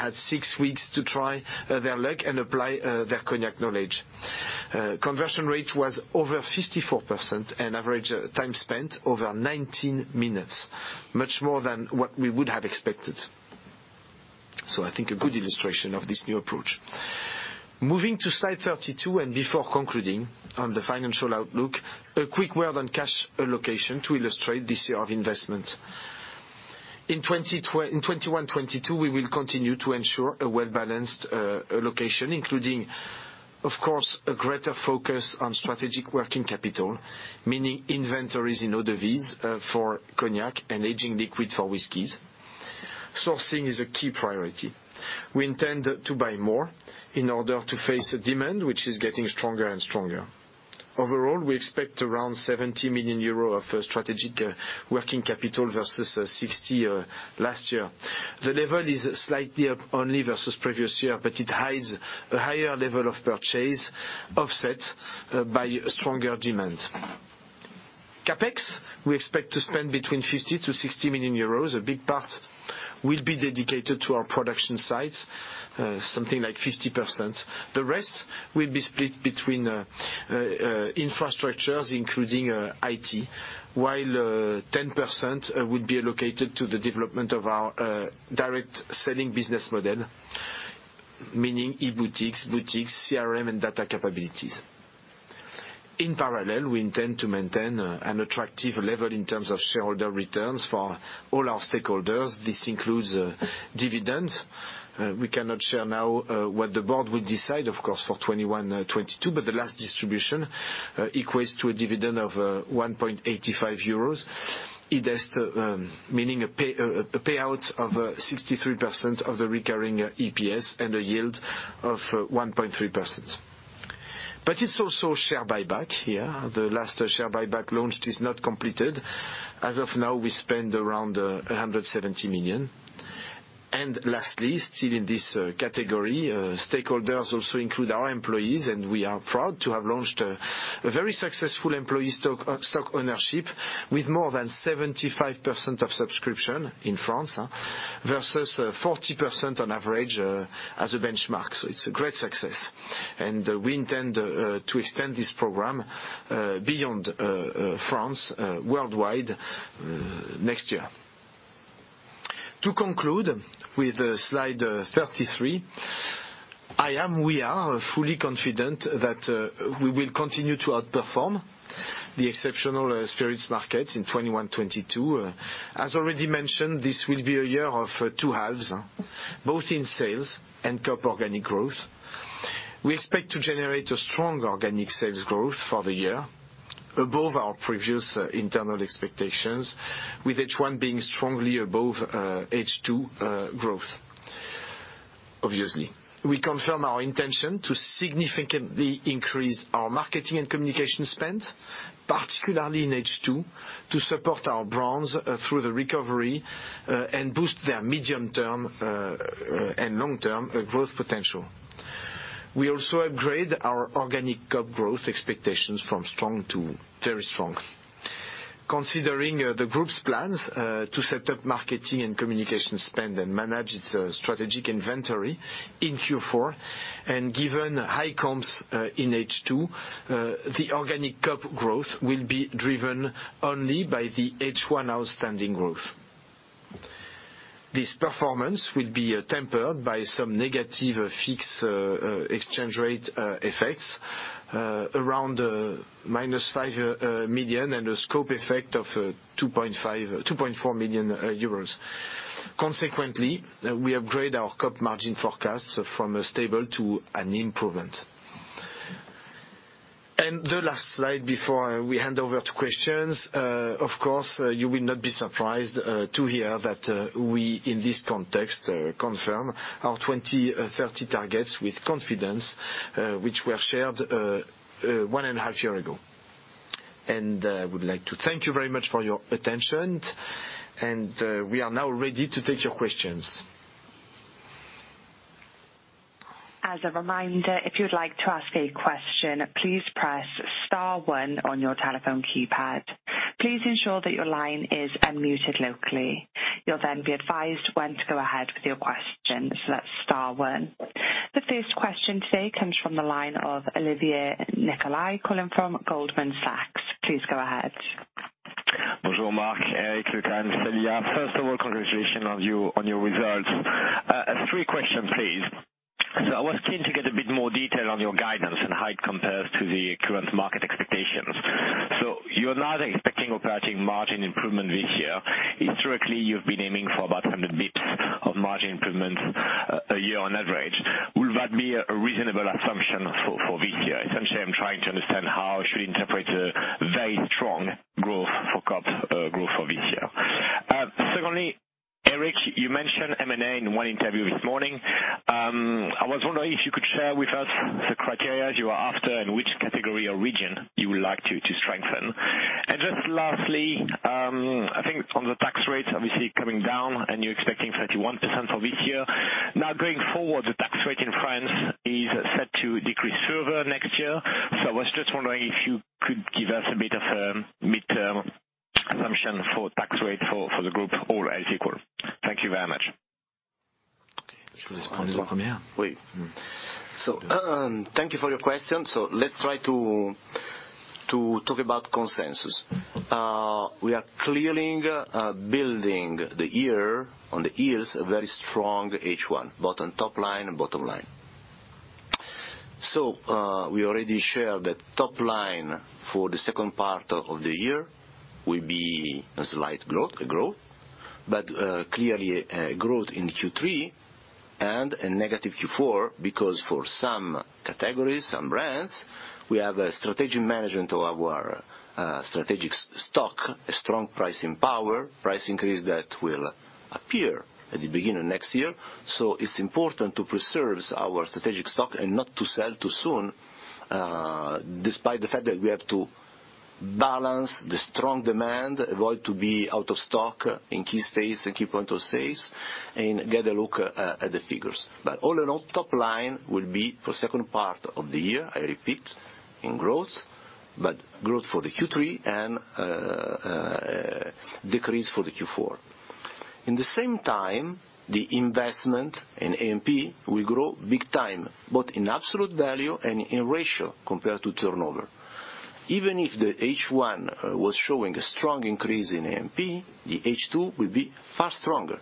had 6 weeks to try their luck and apply their cognac knowledge. Conversion rate was over 54% and average time spent over 19 minutes. Much more than what we would have expected. I think a good illustration of this new approach. Moving to slide 32, and before concluding on the financial outlook, a quick word on cash allocation to illustrate this year of investment. In 2021-2022, we will continue to ensure a well-balanced allocation, including, of course, a greater focus on strategic working capital, meaning inventories and eau de vie for cognac and aging liquid for whiskeys. Sourcing is a key priority. We intend to buy more in order to face a demand which is getting stronger and stronger. Overall, we expect around 70 million euro of strategic working capital versus 60 last year. The level is slightly up only versus previous year, but it hides a higher level of purchase offset by a stronger demand. CapEx, we expect to spend between 50 million-60 million euros. A big part will be dedicated to our production sites, something like 50%. The rest will be split between infrastructures, including IT, while 10% will be allocated to the development of our direct selling business model, meaning e-boutiques, boutiques, CRM, and data capabilities. In parallel, we intend to maintain an attractive level in terms of shareholder returns for all our stakeholders. This includes dividends. We cannot share now what the board will decide, of course, for 2021, 2022, but the last distribution equates to a dividend of 1.85 euros. It is meaning a payout of 63% of the recurring EPS and a yield of 1.3%. But it's also share buyback here. The last share buyback launched is not completed. As of now, we spent around 170 million. Lastly, still in this category, stakeholders also include our employees, and we are proud to have launched a very successful employee stock ownership with more than 75% of subscription in France versus 40% on average as a benchmark. It's a great success. We intend to extend this program beyond France, worldwide next year. To conclude with slide 33, we are fully confident that we will continue to outperform the exceptional spirits market in 2021, 2022. As already mentioned, this will be a year of two halves, both in sales and COP organic growth. We expect to generate a strong organic sales growth for the year above our previous internal expectations, with H1 being strongly above H2 growth. Obviously, we confirm our intention to significantly increase our marketing and communication spend, particularly in H2, to support our brands through the recovery and boost their medium-term and long-term growth potential. We also upgrade our organic COP growth expectations from strong to very strong. Considering the Group's plans to step up marketing and communication spend and manage its strategic inventory in Q4, and given high comps in H2, the organic COP growth will be driven only by the H1 outstanding growth. This performance will be tempered by some negative foreign exchange rate effects around -5 million, and a scope effect of 2.4 million euros. Consequently, we upgrade our COP margin forecast from a stable to an improvement. The last slide before we hand over to questions. Of course, you will not be surprised to hear that we, in this context, confirm our 2023-2030 targets with confidence, which were shared 1.5 years ago. I would like to thank you very much for your attention. We are now ready to take your questions. As a reminder, if you'd like to ask a question, please press star one on your telephone keypad. Please ensure that your line is unmuted locally. You'll then be advised when to go ahead with your questions. That's star one. The first question today comes from the line of Olivier Nicolaï, calling from Goldman Sachs. Please go ahead. Bonjour, Marc, Eric, Luca and Célia. First of all, congratulations on your results. Three questions, please. I was keen to get a bit more detail on your guidance and how it compares to the current market expectations. You're now expecting operating margin improvement this year. Historically, you've been aiming for about 100 basis points of margin improvement a year on average. Will that be a reasonable assumption for this year? Essentially, I'm trying to understand how I should interpret a very strong growth forecast for this year. Secondly, Éric, you mentioned M&A in one interview this morning. I was wondering if you could share with us the criteria you are after and which category or region you would like to strengthen. Just lastly, I think on the tax rates, obviously coming down and you're expecting 31% for this year. Now, going forward, the tax rate in France is set to decrease further next year. I was just wondering if you could give us a bit of a midterm assumption for tax rate for the group all else equal. Thank you very much. Thank you for your question. Let's try to talk about consensus. We are clearly building the year on the heels of a very strong H1, both on top line and bottom line. We already shared that top line for the second part of the year will be a slight growth, but clearly a growth in Q3 and a negative Q4, because for some categories, some brands, we have a strategic management of our strategic stock, a strong pricing power, price increase that will appear at the beginning of next year. It's important to preserve our strategic stock and not to sell too soon, despite the fact that we have to balance the strong demand, avoid to be out of stock in key states and key point of sales, and get a look at the figures. All in all, top line will be for second part of the year, I repeat, in growth, but growth for the Q3 and decrease for the Q4. At the same time, the investment in A&P will grow big time, both in absolute value and in ratio compared to turnover. Even if the H1 was showing a strong increase in A&P, the H2 will be far stronger.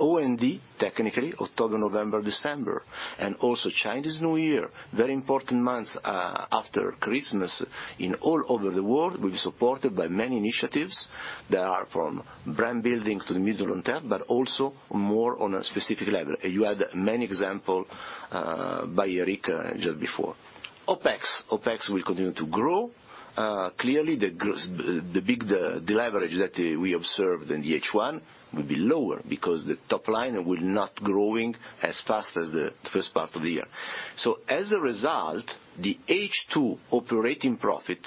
OND, technically, October, November, December, and also Chinese New Year, very important months after Christmas all over the world, will be supported by many initiatives that are from brand building to the medium- to long-term, but also more on a specific level. You had many examples by Éric just before. OpEx will continue to grow. Clearly, the big de-leverage that we observed in the H1 will be lower because the top line will not be growing as fast as the first part of the year. As a result, the H2 operating profit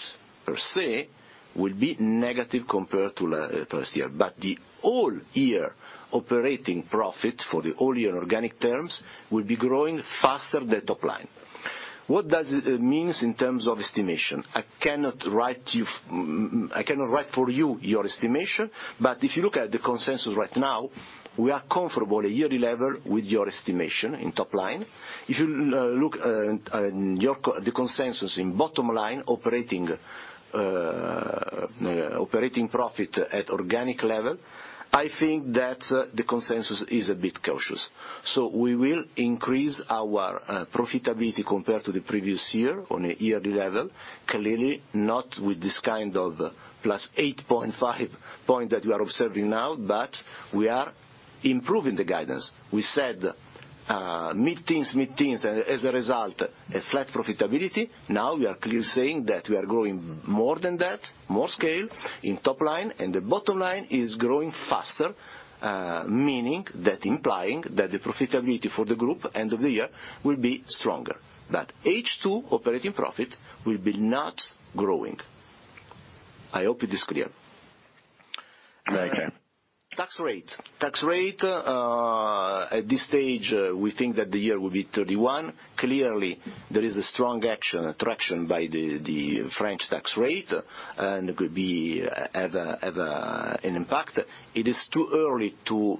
per se will be negative compared to last year. The full year operating profit for the full year organic terms will be growing faster than top line. What does it mean in terms of estimation? I cannot write for you your estimation. If you look at the consensus right now, we are comfortable at a yearly level with your estimation in top line. If you look at the consensus in bottom line, operating profit at organic level, I think that the consensus is a bit cautious. We will increase our profitability compared to the previous year on a yearly level. Clearly not with this kind of plus 8.5-point that you are observing now, but we are improving the guidance. We said mid-teens, and as a result, a flat profitability. Now we are clearly saying that we are growing more than that, more scale in top line, and the bottom line is growing faster. Meaning that implying that the profitability for the group end of the year will be stronger, but H2 operating profit will be not growing. I hope it is clear. Thank you. Tax rate at this stage we think that the year will be 31%. Clearly there is a strong attraction by the French tax rate and it could have an impact. It is too early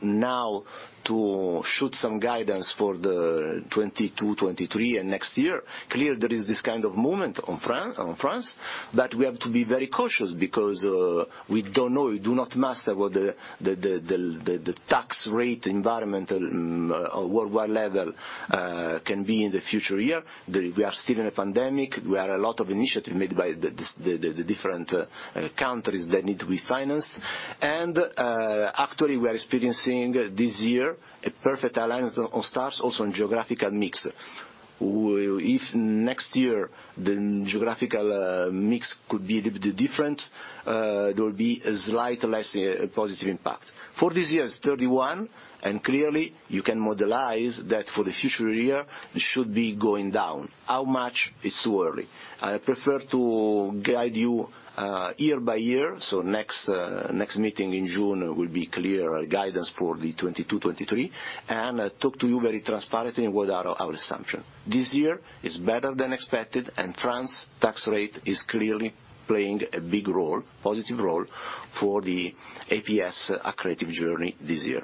now to issue some guidance for the 2022, 2023 and next year. Clearly there is this kind of movement in France but we have to be very cautious because we don't know we do not master what the tax rate environment worldwide level can be in the future year. We are still in a pandemic. There are a lot of initiatives made by the different countries that need to be financed. Actually we are experiencing this year a perfect alignment of the stars also on geographical mix. If next year, the geographical mix could be a little bit different, there will be a slightly less positive impact. For this year it's 31%, and clearly you can model that for the future year, it should be going down. How much? It's too early. I prefer to guide you year by year, so next meeting in June will be clearer guidance for the 2022, 2023. I talk to you very transparently what are our assumptions. This year is better than expected, and French tax rate is clearly playing a big role, positive role for the EPS accretive journey this year.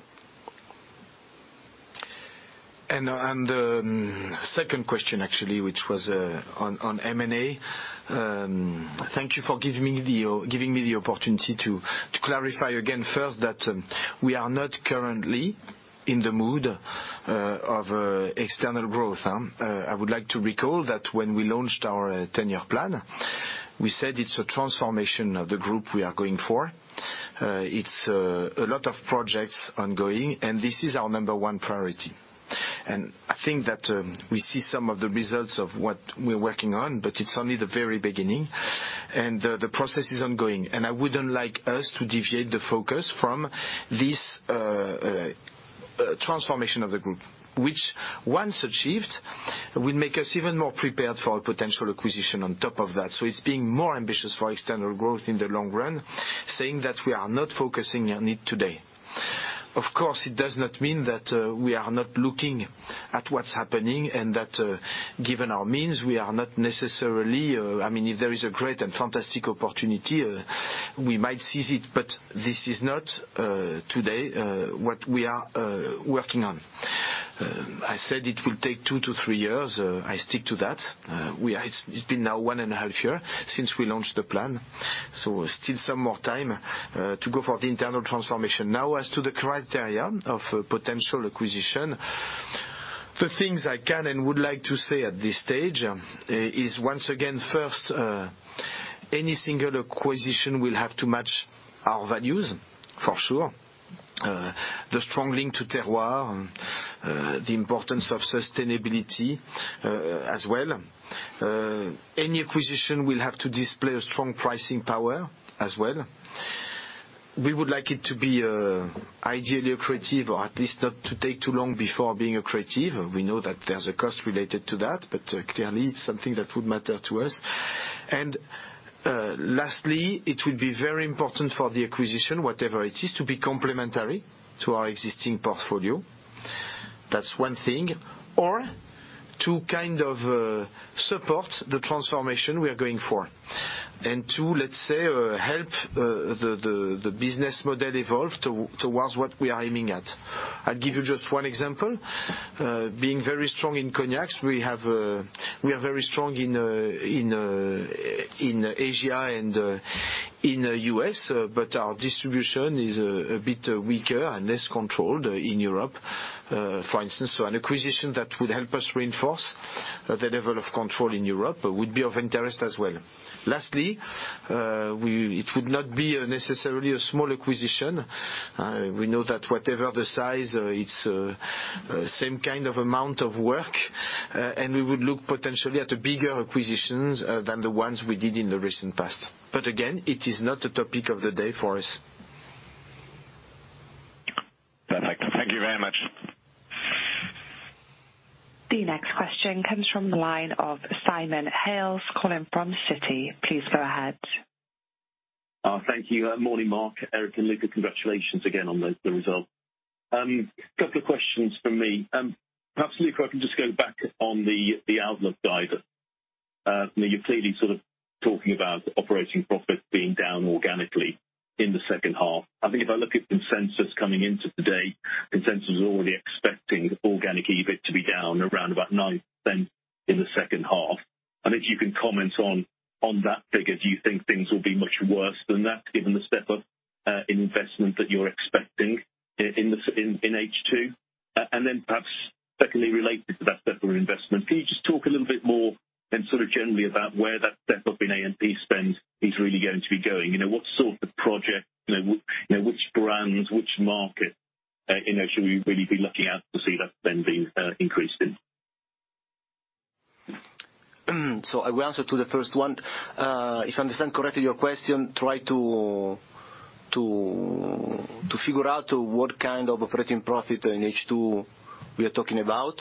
Second question actually, which was on M&A. Thank you for giving me the opportunity to clarify again first that we are not currently in the mood of external growth. I would like to recall that when we launched our ten-year plan, we said it's a transformation of the group we are going for. It's a lot of projects ongoing, and this is our number one priority. I think that we see some of the results of what we're working on, but it's only the very beginning, and the process is ongoing. I wouldn't like us to deviate the focus from this transformation of the group, which once achieved, will make us even more prepared for a potential acquisition on top of that. It's being more ambitious for external growth in the long run, saying that we are not focusing on it today. Of course, it does not mean that we are not looking at what's happening and that given our means, we are not necessarily I mean, if there is a great and fantastic opportunity, we might seize it, but this is not today what we are working on. I said it will take two to three years. I stick to that. It's been now one and a half year since we launched the plan, so still some more time to go for the internal transformation. Now, as to the criteria of a potential acquisition, the things I can and would like to say at this stage is once again, first, any single acquisition will have to match our values, for sure. The strong link to terroir, the importance of sustainability, as well. Any acquisition will have to display a strong pricing power as well. We would like it to be, ideally accretive or at least not to take too long before being accretive. We know that there's a cost related to that, but clearly it's something that would matter to us. Lastly, it will be very important for the acquisition, whatever it is, to be complementary to our existing portfolio. That's one thing. Or to kind of support the transformation we are going for. To, let's say, help the business model evolve towards what we are aiming at. I'll give you just one example. Being very strong in cognacs, we are very strong in Asia and in U.S., but our distribution is a bit weaker and less controlled in Europe, for instance. An acquisition that would help us reinforce the level of control in Europe would be of interest as well. It would not be necessarily a small acquisition. We know that whatever the size, it's the same kind of amount of work, and we would look potentially at bigger acquisitions than the ones we did in the recent past. It is not a topic of the day for us. Perfect. Thank you very much. The next question comes from the line of Simon Hales calling from Citi. Please go ahead. Thank you. Morning, Marc, Eric, and Luca. Congratulations again on the result. Couple of questions from me. Perhaps, Luca, if I can just go back on the outlook guide. You know, you're clearly sort of talking about operating profit being down organically in the second half. I think if I look at consensus coming into today, consensus is already expecting organic EBIT to be down around 9% in the second half. I don't know if you can comment on that figure. Do you think things will be much worse than that given the step up in investment that you're expecting in H2? Then perhaps secondly, related to that separate investment, can you just talk a little bit more and sort of generally about where that step-up in A&P spend is really going to be going? You know, what sort of project, you know, which brands, which market, you know, should we really be looking at to see that spend being increased in? I will answer to the first one. If I understand correctly your question, try to figure out what kind of operating profit in H2 we are talking about.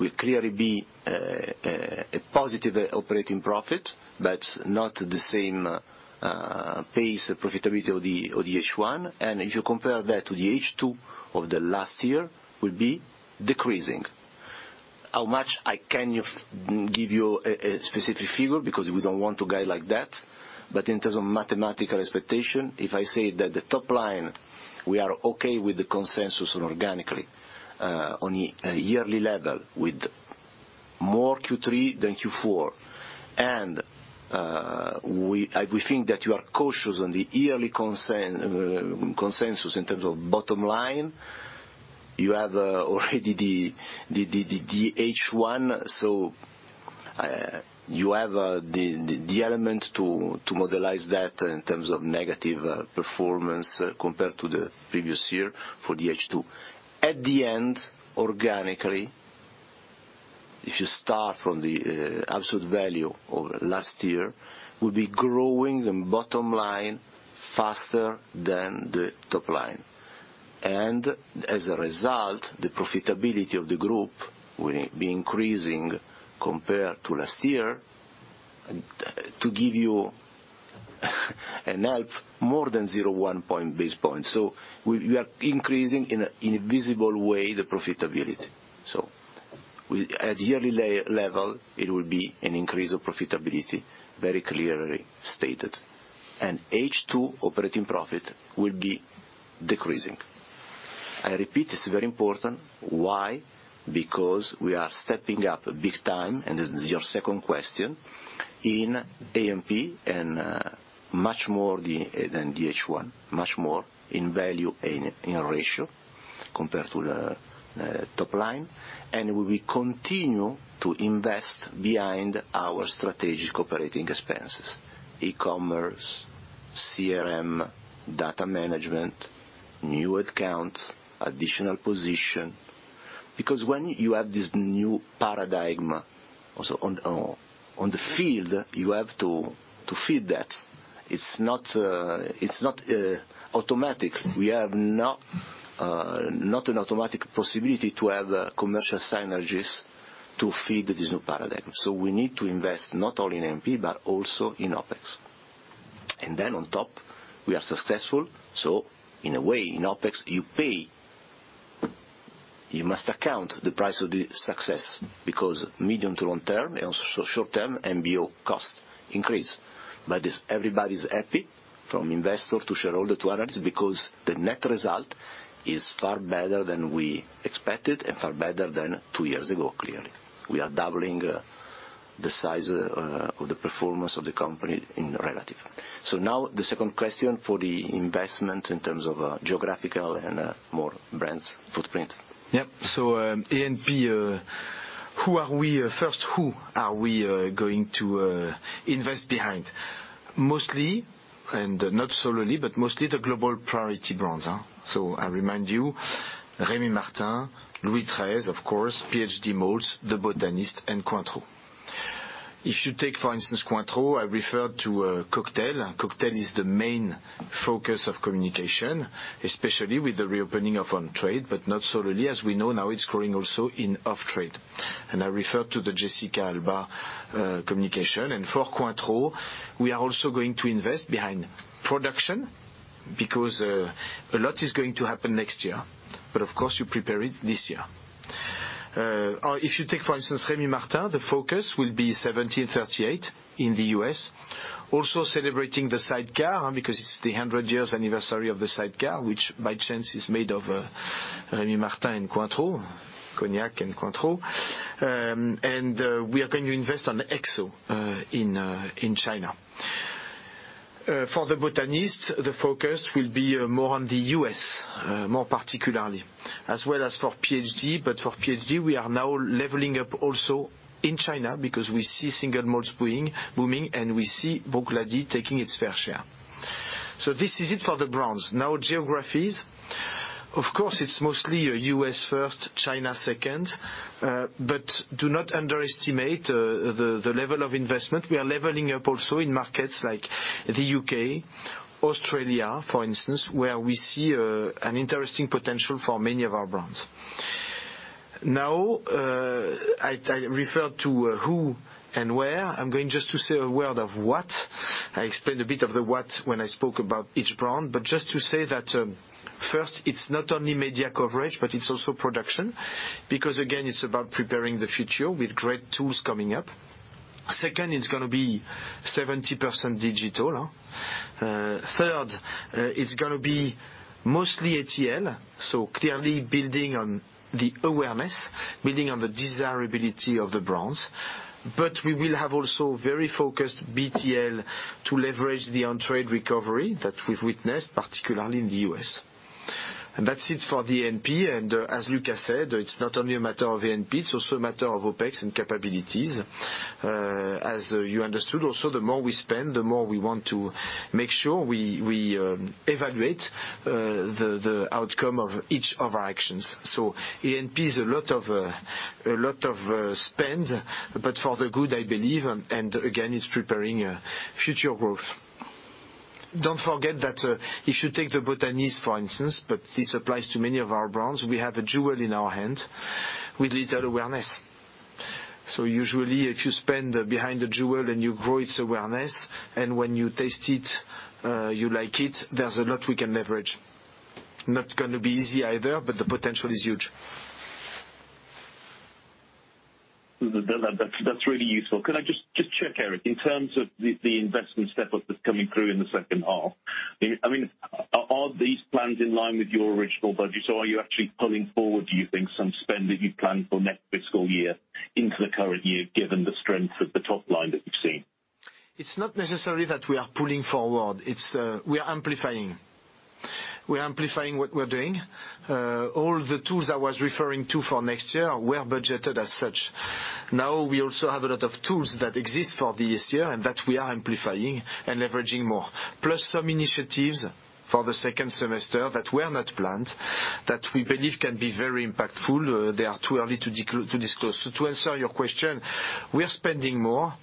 It will clearly be a positive operating profit, but not the same pace profitability of the H1. If you compare that to the H2 of the last year, it will be decreasing. How much? I can't give you a specific figure because we don't want to guide like that. In terms of mathematical expectation, if I say that the top line, we are okay with the consensus organically on a yearly level with more Q3 than Q4. I would think that you are cautious on the yearly consensus in terms of bottom line. You have already the H1, so you have the element to model that in terms of negative performance compared to the previous year for the H2. At the end, organically, if you start from the absolute value of last year, we'll be growing the bottom line faster than the top line. As a result, the profitability of the group will be increasing compared to last year. To give you a help, more than 1 percentage point. We are increasing in a visible way the profitability. At yearly level, it will be an increase of profitability very clearly stated. H2 operating profit will be decreasing. I repeat, it's very important. Why? Because we are stepping up big time, and this is your second question, in A&P and much more than the H1, much more in value and in ratio compared to the top line. We continue to invest behind our strategic operating expenses, e-commerce, CRM, data management, new account, additional position. Because when you have this new paradigm, on the field, you have to feed that. It's not automatic. We do not have an automatic possibility to have commercial synergies to feed this new paradigm. We need to invest not only in A&P, but also in OpEx. On top, we are successful. In a way, in OpEx, you pay. You must account for the price of the success because medium to long term and also short term, MBO costs increase. Is everybody happy from investor to shareholder to analysts because the net result is far better than we expected and far better than two years ago, clearly. We are doubling the size of the performance of the company in relative. Now the second question for the investment in terms of geographical and more brands footprint. A&P. First, who are we going to invest behind? Mostly, and not solely, but mostly the global priority brands. I remind you, Rémy Martin, LOUIS XIII, of course, Islay Malts, The Botanist, and Cointreau. If you take, for instance, Cointreau, I referred to cocktail. Cocktail is the main focus of communication, especially with the reopening of on-trade, but not solely. As we know now, it's growing also in off-trade. I referred to the Jessica Alba communication. For Cointreau, we are also going to invest behind production because a lot is going to happen next year. Of course, you prepare it this year. If you take, for instance, Rémy Martin, the focus will be 1738 in the U.S. Also celebrating the Sidecar because it's the 100th anniversary of the Sidecar, which by chance is made of Rémy Martin and Cointreau, cognac and Cointreau. We are going to invest in XO in China. For The Botanist, the focus will be more on the U.S., more particularly, as well as for Port Charlotte. For Port Charlotte, we are now leveling up also in China because we see single malts, Bruichladdich booming, and we see Port Charlotte taking its fair share. This is it for the brands. Now geographies. Of course, it's mostly U.S. first, China second. Do not underestimate the level of investment. We are leveling up also in markets like the U.K., Australia, for instance, where we see an interesting potential for many of our brands. Now, I referred to who and where. I'm going just to say a word of what. I explained a bit of the what when I spoke about each brand, but just to say that, first, it's not only media coverage, but it's also production, because again, it's about preparing the future with great tools coming up. Second, it's gonna be 70% digital. Third, it's gonna be mostly ATL, so clearly building on the awareness, building on the desirability of the brands. But we will have also very focused BTL to leverage the on-trade recovery that we've witnessed, particularly in the U.S. That's it for the A&P. As Luca said, it's not only a matter of A&P, it's also a matter of OpEx and capabilities. As you understood also, the more we spend, the more we want to make sure we evaluate the outcome of each of our actions. A&P is a lot of spend, but for the good, I believe, and again, it's preparing future growth. Don't forget that if you take The Botanist, for instance, but this applies to many of our brands, we have a jewel in our hand with little awareness. Usually if you spend behind the jewel and you grow its awareness, and when you taste it, you like it, there's a lot we can leverage. Not gonna be easy either, but the potential is huge. That's really useful. Could I just check, Éric, in terms of the investment step up that's coming through in the second half? I mean, are these plans in line with your original budget? Or are you actually pulling forward, do you think, some spend that you'd planned for next fiscal year into the current year, given the strength of the top line that you've seen? It's not necessarily that we are pulling forward. We are amplifying what we're doing. All the tools I was referring to for next year were budgeted as such. Now, we also have a lot of tools that exist for this year and that we are amplifying and leveraging more. Plus some initiatives for the second semester that were not planned, that we believe can be very impactful. They are too early to disclose. To answer your question, we are spending more,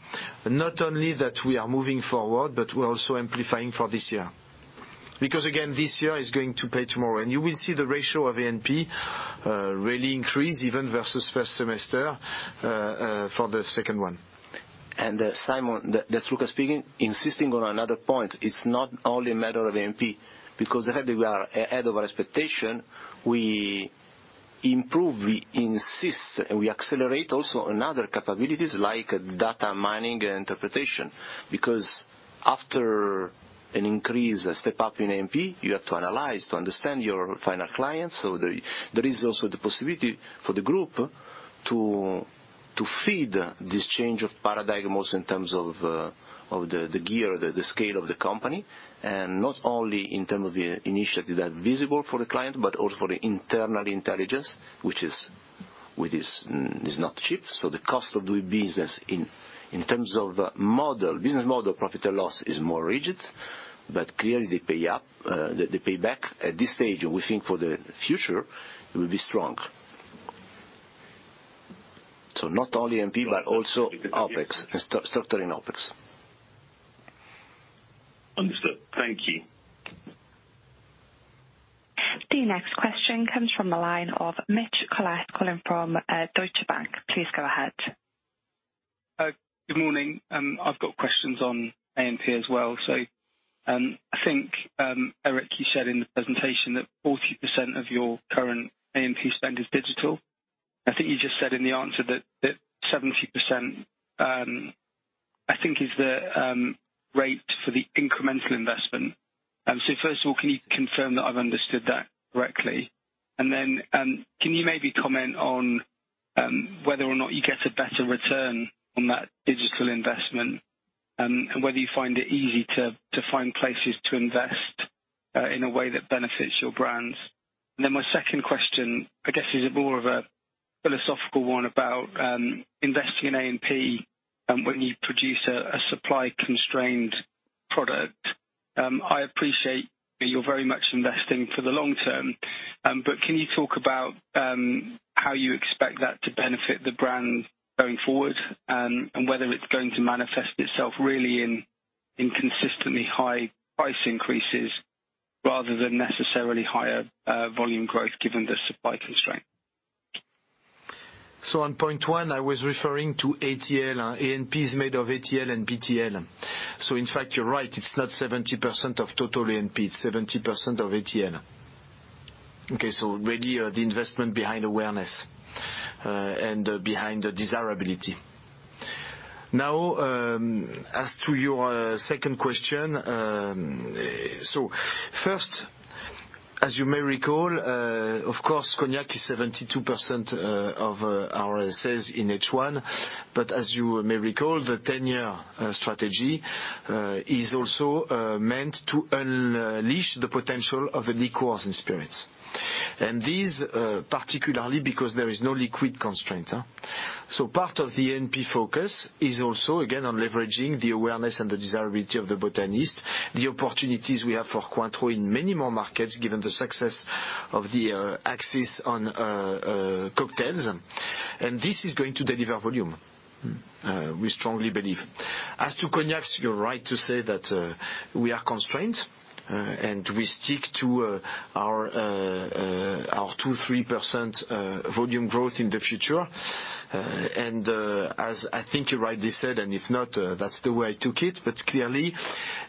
not only that we are moving forward, but we're also amplifying for this year. Because, again, this year is going to pay tomorrow. You will see the ratio of A&P really increase even versus first semester for the second one. Simon, that's Luca speaking, insisting on another point. It's not only a matter of A&P, because ahead of our expectation, we improve, we insist, and we accelerate also on other capabilities like data mining and interpretation. Because after an increase, a step up in A&P, you have to analyze to understand your final clients. There is also the possibility for the group to feed this change of paradigm also in terms of the gear, the scale of the company, and not only in terms of the initiatives that are visible for the client, but also for the internal intelligence, which is not cheap. The cost of doing business in terms of business model, profit or loss is more rigid, but clearly the payoff, the payback at this stage, we think for the future it will be strong. Not only A&P, but also OpEx, structuring OpEx. Understood. Thank you. The next question comes from the line of Mitch Collett, calling from, Deutsche Bank. Please go ahead. Good morning. I've got questions on A&P as well. I think Éric, you said in the presentation that 40% of your current A&P spend is digital. I think you just said in the answer that 70% is the rate for the incremental investment. First of all, can you confirm that I've understood that correctly? Then, can you maybe comment on whether or not you get a better return on that digital investment and whether you find it easy to find places to invest in a way that benefits your brands? My second question, I guess, is more of a philosophical one about investing in A&P and when you produce a supply constrained product. I appreciate that you're very much investing for the long term, but can you talk about how you expect that to benefit the brand going forward, and whether it's going to manifest itself really in consistently high price increases rather than necessarily higher volume growth given the supply constraint? On point one, I was referring to ATL. A&P is made of ATL and BTL. In fact, you're right, it's not 70% of total A&P, it's 70% of ATL. Okay? Really, the investment behind awareness and behind the desirability. Now, as to your second question, first, as you may recall, of course, cognac is 72% of our sales in H1, but as you may recall, the 10-year strategy is also meant to unleash the potential of liqueurs and spirits. These particularly because there is no liquid constraint. Part of the A&P focus is also again on leveraging the awareness and the desirability of The Botanist, the opportunities we have for Cointreau in many more markets given the success of the emphasis on cocktails. This is going to deliver volume we strongly believe. As to cognacs, you're right to say that we are constrained and we stick to our 2-3% volume growth in the future. As I think you rightly said, and if not, that's the way I took it, but clearly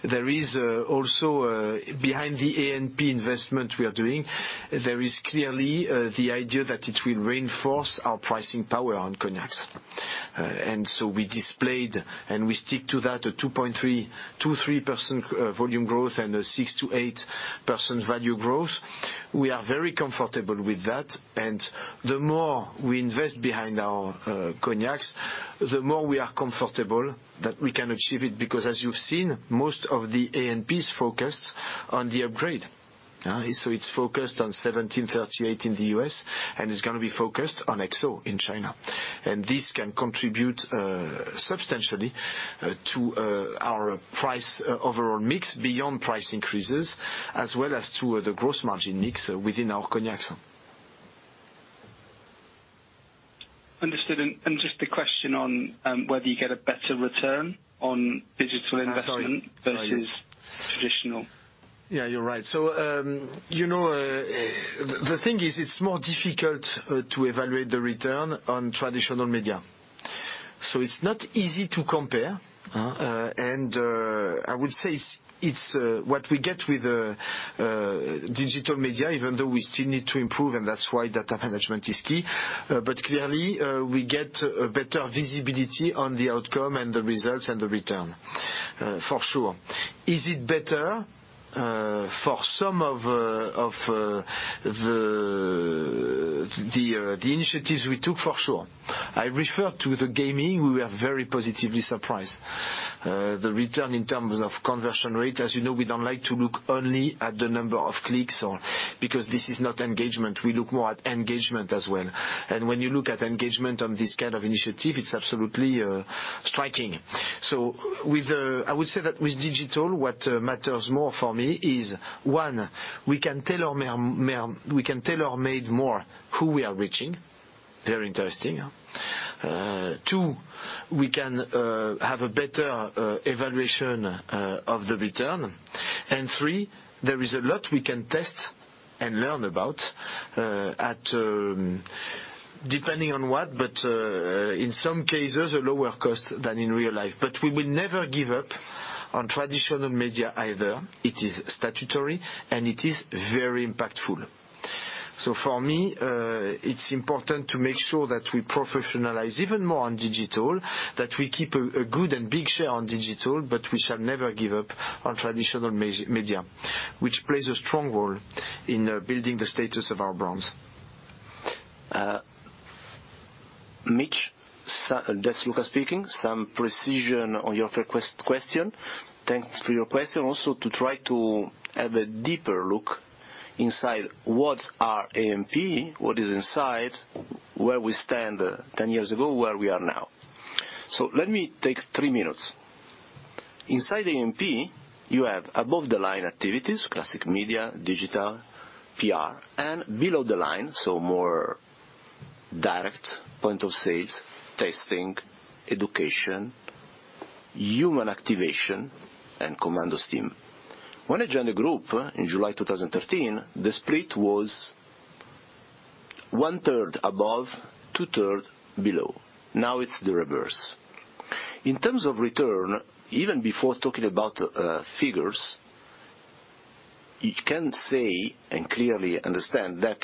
there is also behind the A&P investment we are doing, there is clearly the idea that it will reinforce our pricing power on cognacs. we displayed, and we stick to that, a 23% volume growth and a 6%-8% value growth. We are very comfortable with that. The more we invest behind our cognacs, the more we are comfortable that we can achieve it. Because as you've seen, most of the A&Ps focus on the upgrade. It's focused on 1738 in the U.S., and it's gonna be focused on XO in China. This can contribute substantially to our price overall mix beyond price increases as well as to the gross margin mix within our cognacs. Understood. Just a question on whether you get a better return on digital investment? Sorry. versus traditional. Yeah, you're right. You know, the thing is, it's more difficult to evaluate the return on traditional media. It's not easy to compare, huh. I would say it's what we get with digital media, even though we still need to improve, and that's why data management is key. Clearly, we get a better visibility on the outcome and the results and the return, for sure. Is it better? For some of the initiatives we took, for sure. I refer to the gaming, we were very positively surprised. The return in terms of conversion rate, as you know, we don't like to look only at the number of clicks or because this is not engagement. We look more at engagement as well. When you look at engagement on this kind of initiative, it's absolutely striking. I would say that with digital, what matters more for me is, one, we can tailor-made more who we are reaching. Very interesting. Two, we can have a better evaluation of the return. Three, there is a lot we can test and learn about, depending on what, but in some cases, a lower cost than in real life. We will never give up on traditional media either. It is statutory, and it is very impactful. For me, it's important to make sure that we professionalize even more on digital, that we keep a good and big share on digital, but we shall never give up on traditional media, which plays a strong role in building the status of our brands. Mitch, that's Luca speaking, some precision on your question. Thanks for your question. Also to try to have a deeper look inside what are A&P, what is inside, where we stand 10 years ago, where we are now. Let me take 3 minutes. Inside A&P, you have above the line activities, classic media, digital, PR, and below the line, so more direct point of sales, tasting, education, human activation, and commando team. When I joined the group in July 2013, the split was one-third above, two-third below. Now it's the reverse. In terms of return, even before talking about figures, you can say and clearly understand that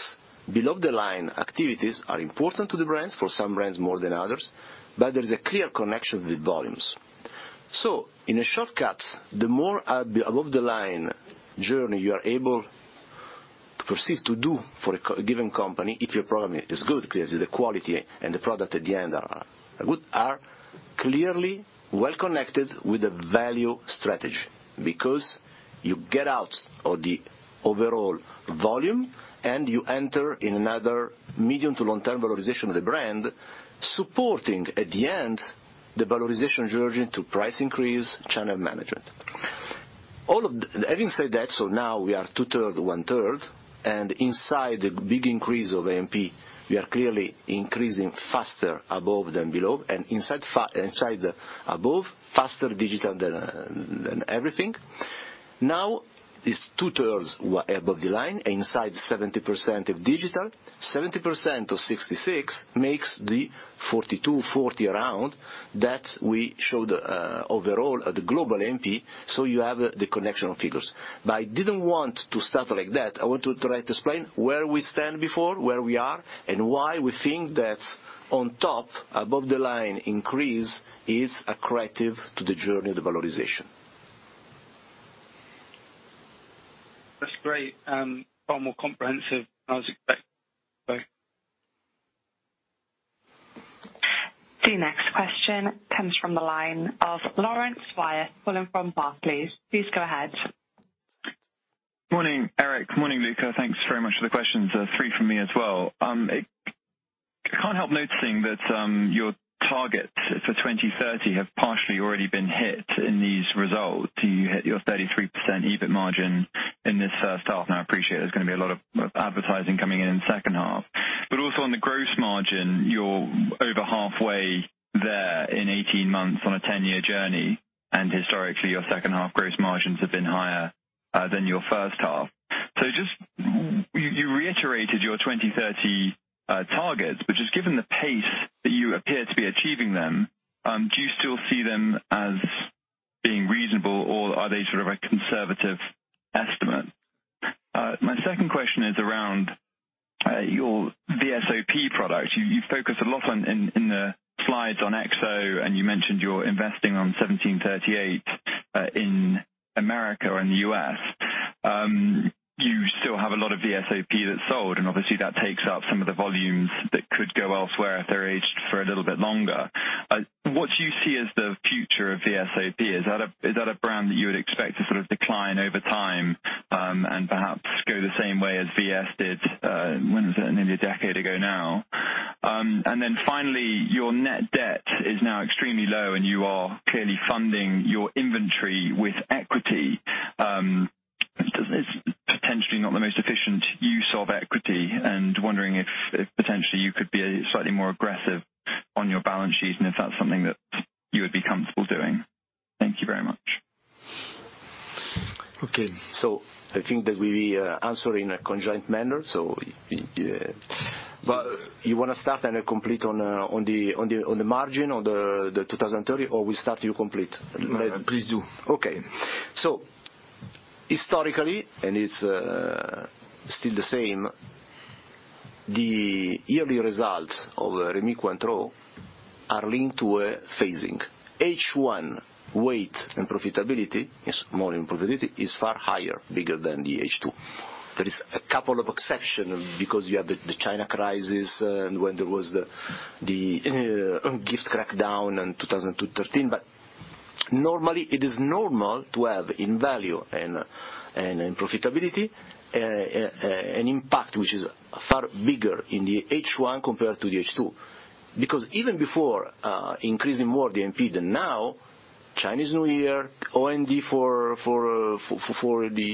below the line activities are important to the brands, for some brands more than others, but there is a clear connection with volumes. In a shortcut, the more above the line journey you are able to proceed to do for a given company, if your program is good, 'cause the quality and the product at the end are good, are clearly well connected with the value strategy. Because you get out of the overall volume and you enter in another medium to long-term valorization of the brand, supporting at the end the valorization journey to price increase, channel management. Having said that, now we are two-thirds, one-third, and inside the big increase of A&P, we are clearly increasing faster above than below. Inside the above, faster digital than everything. Now, it's two-thirds above the line, inside 70% of digital. 70% of 66 makes the 42, 40 around that we showed, overall at the global A&P, so you have the connection of figures. I didn't want to start like that. I want to try to explain where we stand before, where we are, and why we think that on top, above the line increase is accretive to the journey of the valorization. That's great. Far more comprehensive than I was expecting. Thanks. The next question comes from the line of Laurence Whyatt calling from Barclays. Please go ahead. Morning, Éric. Morning, Luca. Thanks very much for the questions. Three from me as well. I can't help noticing that your targets for 2030 have partially already been hit in these results. You hit your 33% EBIT margin in this first half. Now, I appreciate there's gonna be a lot of advertising coming in in the second half. Also on the gross margin, you're over halfway there in 18 months on a 10-year journey, and historically, your second-half gross margins have been higher than your first half. You reiterated your 2030 targets, but just given the pace that you appear to be achieving them, do you still see them as being reasonable or are they sort of a conservative estimate? My second question is around your VSOP product. You focused a lot on... In the slides on XO, and you mentioned you're investing in 1738 in America or in the U.S. You still have a lot of VSOP that's sold, and obviously that takes up some of the volumes that could go elsewhere if they're aged for a little bit longer. What do you see as the future of VSOP? Is that a brand that you would expect to sort of decline over time, and perhaps go the same way as VS did, when was it? Nearly a decade ago now. Then finally, your net debt is now extremely low, and you are clearly funding your inventory with equity. Is potentially not the most efficient use of equity and wondering if potentially you could be slightly more aggressive on your balance sheet, and if that's something that you would be comfortable doing. Thank you very much. Okay. I think that we answer in a conjoint manner. Well, you wanna start and I complete on the margin or the 2030, or we start, you complete? Please do. Okay. Historically, it's still the same, the yearly results of Rémy Cointreau are linked to a phasing. H1 weighting and profitability is far higher, bigger than the H2. There is a couple of exception because you have the China crisis, and when there was the gifting crackdown in 2013. Normally, it is normal to have in value and profitability an impact which is far bigger in the H1 compared to the H2. Because even before increasing more the MP than now, Chinese New Year, OND for the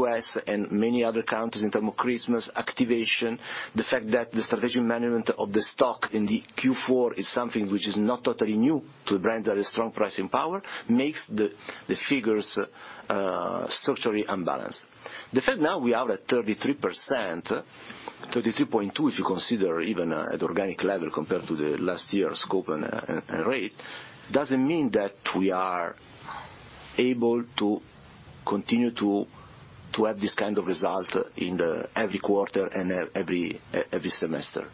U.S. and many other countries in terms of Christmas activation, the fact that the strategic management of the stock in the Q4 is something which is not totally new to the brand that is strong pricing power makes the figures structurally unbalanced. The fact now we are at 33%, 33.2% if you consider even at organic level compared to the last year's scope and rate, doesn't mean that we are able to continue to have this kind of result in every quarter and every semester.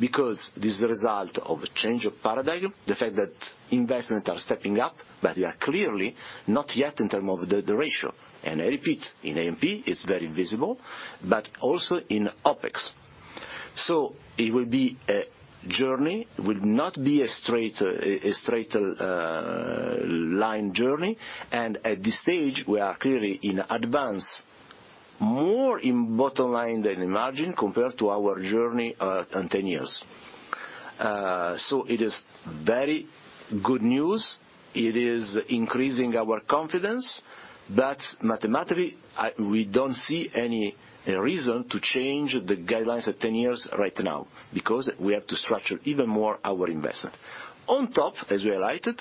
Because this is a result of a change of paradigm, the fact that investments are stepping up, but we are clearly not yet in terms of the ratio. I repeat, in A&P, it's very visible, but also in OpEx. It will be a journey, will not be a straight line journey. At this stage, we are clearly in advance more in bottom line than in margin compared to our journey in 10 years. It is very good news. It is increasing our confidence, but mathematically, we don't see any reason to change the guidelines at 10 years right now because we have to structure even more our investment. On top, as we highlighted,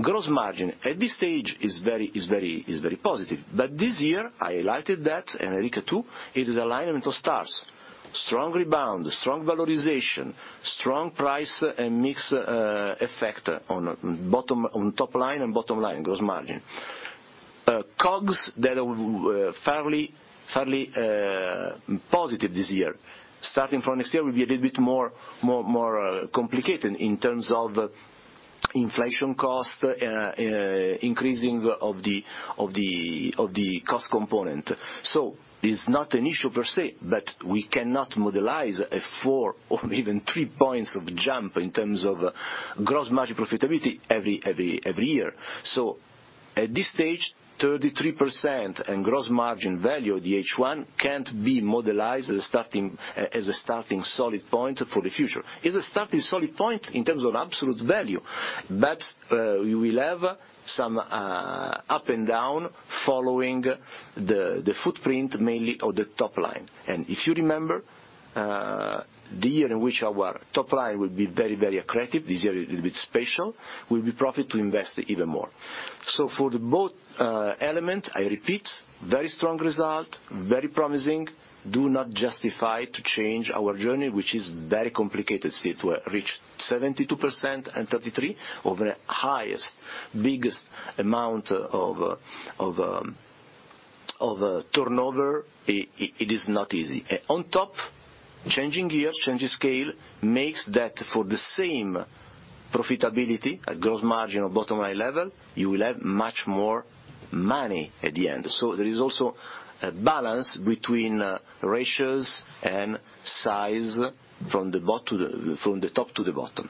gross margin at this stage is very positive. This year, I highlighted that, and Éric too, it is alignment of stars, strong rebound, strong valorization, strong price, and mix effect on top line and bottom line gross margin. COGS that are fairly positive this year. Starting from next year will be a little bit more complicated in terms of inflation cost, increasing of the cost component. It's not an issue per se, but we cannot model a 4 or even 3 points of jump in terms of gross margin profitability every year. At this stage, 33% and gross margin value of the H1 can't be modeled as a starting solid point for the future. It's a starting solid point in terms of absolute value, but we will have some up and down following the footprint mainly of the top line. If you remember, the year in which our top line will be very, very accretive, this year it will be special, will be profitable to invest even more. For both elements, I repeat, very strong result, very promising, do not justify to change our journey, which is very complicated. See, to reach 72% and 33 over the highest, biggest amount of turnover, it is not easy. On top, changing gears, changing scale means that for the same profitability at gross margin or bottom line level, you will have much more money at the end. There is also a balance between ratios and size from the top to the bottom.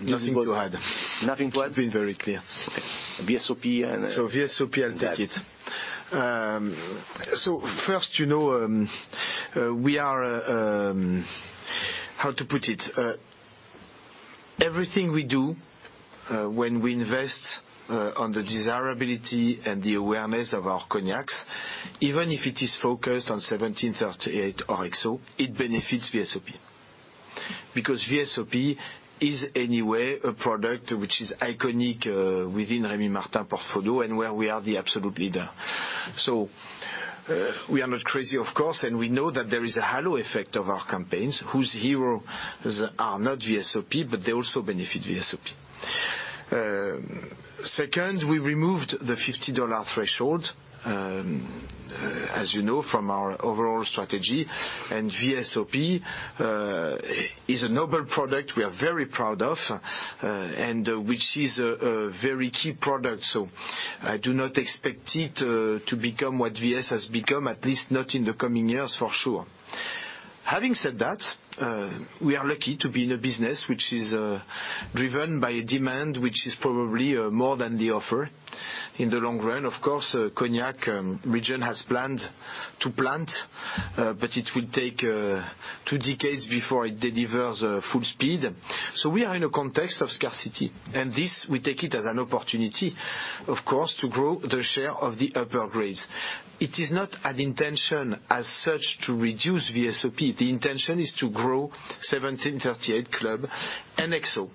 Nothing to add. Nothing to add? It's been very clear. VSOP and. VSOP, I'll take it. First, you know, we are, how to put it, Everything we do when we invest in the desirability and the awareness of our cognacs, even if it is focused on 1738 or XO, it benefits VSOP. Because VSOP is, anyway, a product which is iconic within Rémy Martin portfolio and where we are the absolute leader. We are not crazy, of course, and we know that there is a halo effect of our campaigns whose heroes are not VSOP, but they also benefit VSOP. Second, we removed the $50 threshold, as you know, from our overall strategy, and VSOP is a noble product we are very proud of, and which is a very key product. I do not expect it to become what VS has become, at least not in the coming years, for sure. Having said that, we are lucky to be in a business which is driven by a demand which is probably more than the offer in the long run. Of course, Cognac region has planned to plant, but it will take two decades before it delivers full speed. We are in a context of scarcity. This, we take it as an opportunity, of course, to grow the share of the upper grades. It is not an intention as such to reduce VSOP. The intention is to grow 1738 CLUB and XO.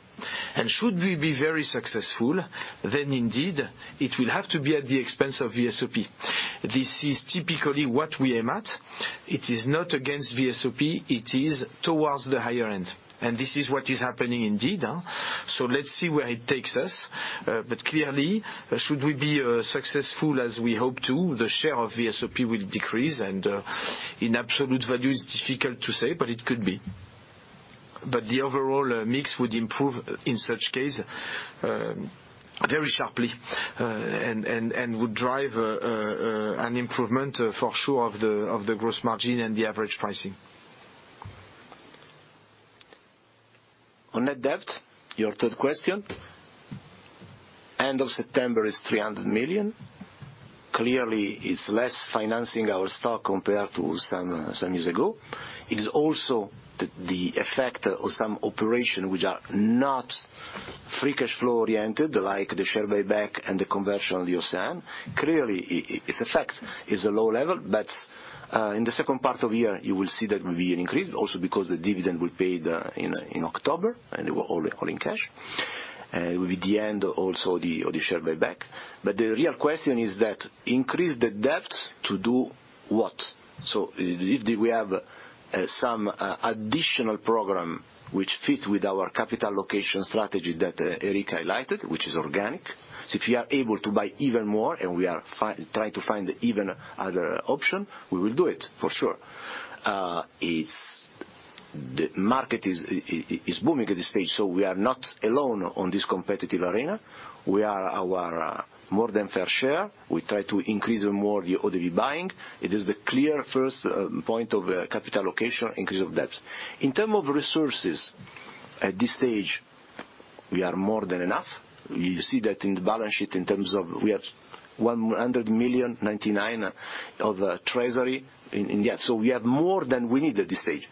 Should we be very successful, then indeed it will have to be at the expense of VSOP. This is typically what we aim at. It is not against VSOP, it is towards the higher end, and this is what is happening indeed. Let's see where it takes us. Clearly, should we be successful as we hope to, the share of VSOP will decrease. In absolute value, it's difficult to say, but it could be. The overall mix would improve in such case, very sharply, and would drive an improvement, for sure, of the gross margin and the average pricing. On net debt, your third question. End of September is 300 million. Clearly, it's less financing our stock compared to some years ago. It is also the effect of some operation which are not free cash flow-oriented, like the share buyback and the conversion of the OCEANE. Clearly, its effect is a low level. In the second part of the year, you will see that there will be an increase also because the dividend will be paid in October, and it will all be in cash. It will be the end also of the share buyback. The real question is to increase the debt to do what? Do we have some additional program which fits with our capital allocation strategy that Éric highlighted, which is organic. If you are able to buy even more and we are trying to find even other option, we will do it for sure. The market is booming at this stage, so we are not alone on this competitive arena. We are our more than fair share. We try to increase even more the eau de vie buying. It is the clear first point of capital allocation, increase of debt. In terms of resources, at this stage we are more than enough. You see that in the balance sheet in terms of we have 109 million of treasury in that. We have more than we need at this stage.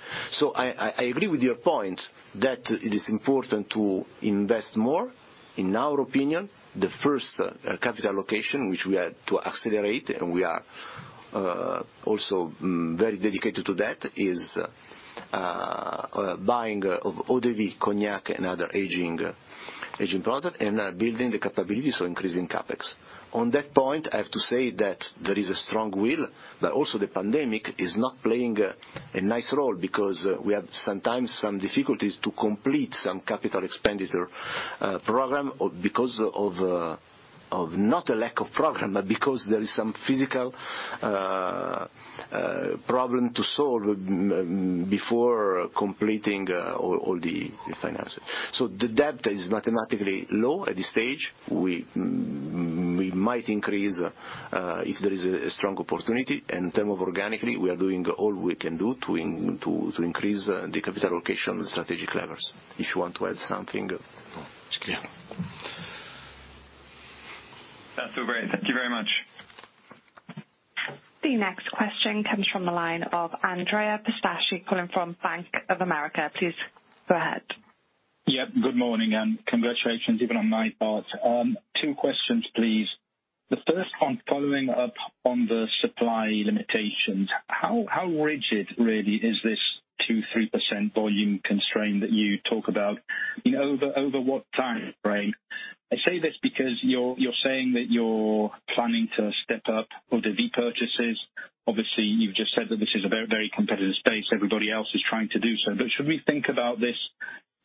I agree with your point that it is important to invest more. In our opinion, the first capital allocation, which we are to accelerate, and we are also very dedicated to that, is buying of eau de vie cognac and other aging product, and building the capabilities, so increasing CapEx. On that point, I have to say that there is a strong will, but also the pandemic is not playing a nice role because we have sometimes some difficulties to complete some capital expenditure program because of not a lack of program, but because there is some physical problem to solve before completing all the finances. The debt is mathematically low at this stage. We might increase if there is a strong opportunity. In terms of organically, we are doing all we can do to increase the capital allocation strategic levers. If you want to add something. No. It's clear. Sounds so great. Thank you very much. The next question comes from the line of Andrea Pistacchi calling from Bank of America. Please, go ahead. Yeah. Good morning, and congratulations even on my part. Two questions, please. The first one following up on the supply limitations. How rigid really is this 2%-3% volume constraint that you talk about? And over what time frame? I say this because you're saying that you're planning to step up eau de vie purchases. Obviously, you've just said that this is a very competitive space. Everybody else is trying to do so. But should we think about this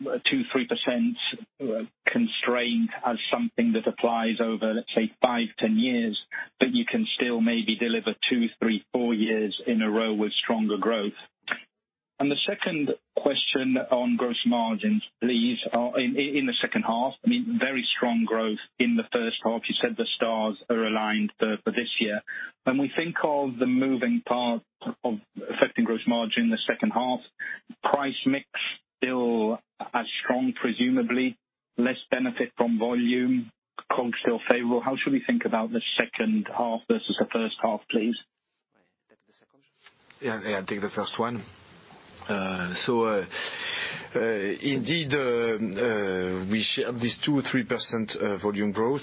2%-3% constraint as something that applies over, let's say, 5-10 years, but you can still maybe deliver 2, 3, 4 years in a row with stronger growth? And the second question on gross margins, please. In the second half, I mean, very strong growth in the first half. You said the stars are aligned for this year. When we think of the moving part of affecting gross margin in the second half, price mix still as strong, presumably, less benefit from volume, COGS still favorable. How should we think about the second half versus the first half, please? Yeah, I'll take the first one. So, indeed, we share this 2%-3% volume growth,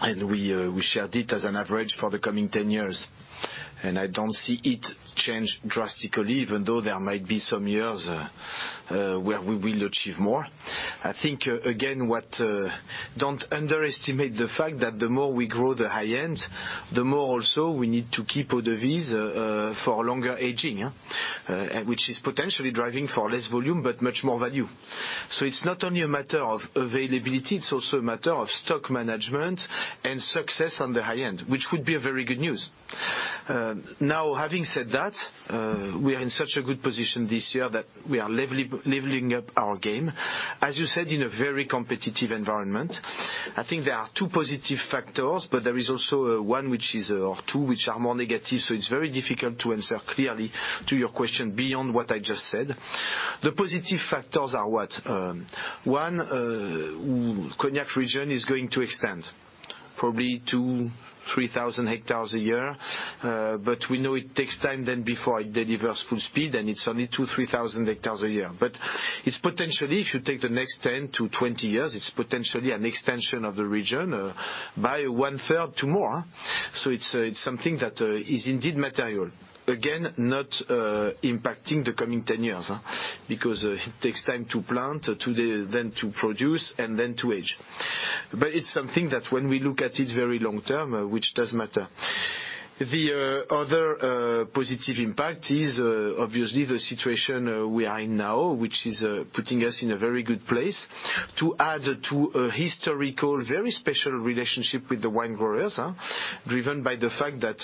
and we shared it as an average for the coming 10 years. I don't see it change drastically, even though there might be some years where we will achieve more. I think, again, don't underestimate the fact that the more we grow the high end, the more also we need to keep eau de vie for longer aging. Which is potentially driving for less volume but much more value. It's not only a matter of availability, it's also a matter of stock management and success on the high end, which would be a very good news. Now, having said that, we are in such a good position this year that we are leveling up our game, as you said, in a very competitive environment. I think there are two positive factors, but there is also one which is, or two which are more negative, so it's very difficult to answer clearly to your question beyond what I just said. The positive factors are what? One, cognac region is going to extend probably 2,000-3,000 hectares a year. But we know it takes time then before it delivers full speed, and it's only 2,000-3,000 hectares a year. But it's potentially, if you take the next 10-20 years, it's potentially an extension of the region by one-third to more. So it's something that is indeed material. Again, not impacting the coming 10 years. Because it takes time to plant, then to produce, and then to age. It's something that when we look at it very long-term, which does matter. The other positive impact is obviously the situation we are in now, which is putting us in a very good place to add to a historical, very special relationship with the wine growers, driven by the fact that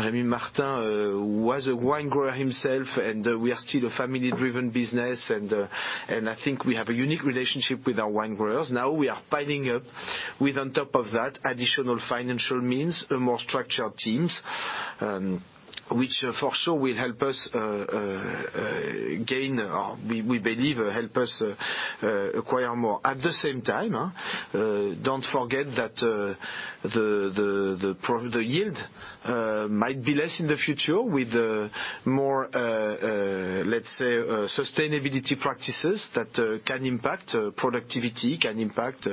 Rémy Martin was a wine grower himself, and we are still a family-driven business. I think we have a unique relationship with our wine growers. Now, we are piling on top of that, additional financial means, more structured teams, which for sure will help us gain, or we believe help us acquire more. At the same time, don't forget that the yield might be less in the future with more, let's say, sustainability practices that can impact productivity, can impact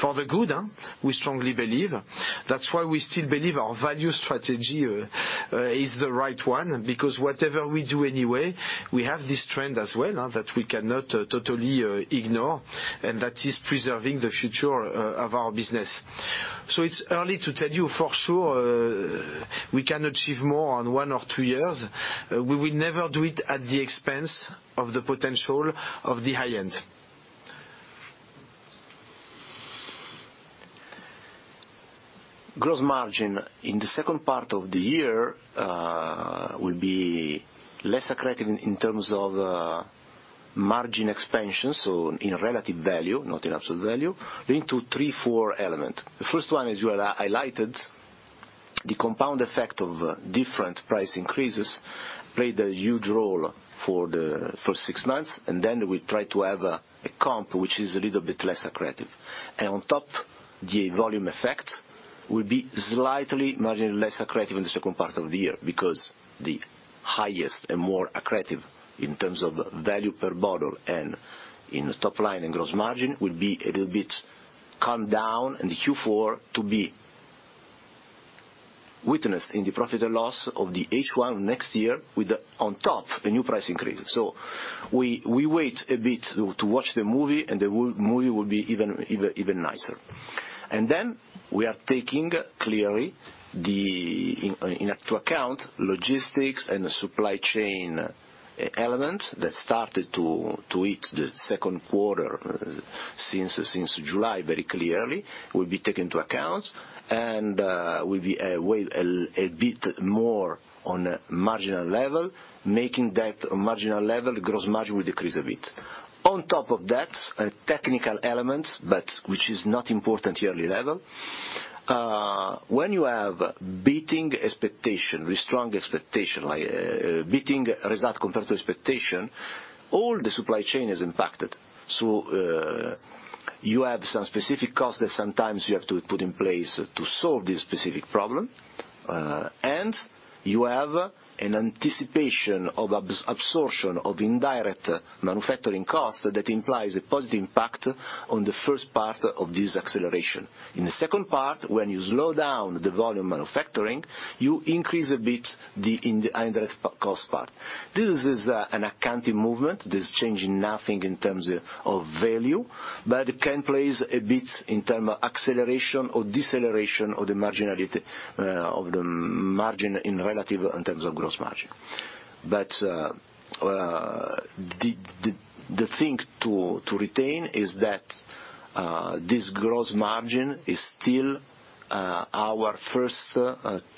for the good. We strongly believe. That's why we still believe our value strategy is the right one, because whatever we do anyway, we have this trend as well, that we cannot totally ignore, and that is preserving the future of our business. It's early to tell you for sure we can achieve more on one or two years. We will never do it at the expense of the potential of the high end. Gross margin in the second part of the year will be less accretive in terms of margin expansion, so in relative value, not in absolute value, in Q3, Q4 element. The first one, as you have highlighted, the compound effect of different price increases played a huge role for the first six months. Then we try to have a comp which is a little bit less accretive. On top, the volume effect will be slightly marginally less accretive in the second part of the year because the highest and more accretive in terms of value per bottle and in top line and gross margin will be a little bit calm down in the Q4 to be witnessed in the profit or loss of the H1 next year with the on top a new price increase. We wait a bit to watch the movie, and the movie will be even nicer. Then we are taking clearly into account logistics and supply chain element that started to hit the second quarter since July, very clearly, will be taken into account and will be weighed a bit more on a marginal level. Making that marginal level, gross margin will decrease a bit. On top of that, a technical element, but which is not important yearly level. When you have beating expectation with strong expectation, like beating result compared to expectation, all the supply chain is impacted. You have some specific costs that sometimes you have to put in place to solve this specific problem, and you have an anticipation of absorption of indirect manufacturing costs that implies a positive impact on the first part of this acceleration. In the second part, when you slow down the volume manufacturing, you increase a bit the indirect cost part. This is an accounting movement. There's no change in terms of value, but it can play a bit in terms of acceleration or deceleration of the marginality of the margin in relative terms of gross margin. The thing to retain is that this gross margin is still our first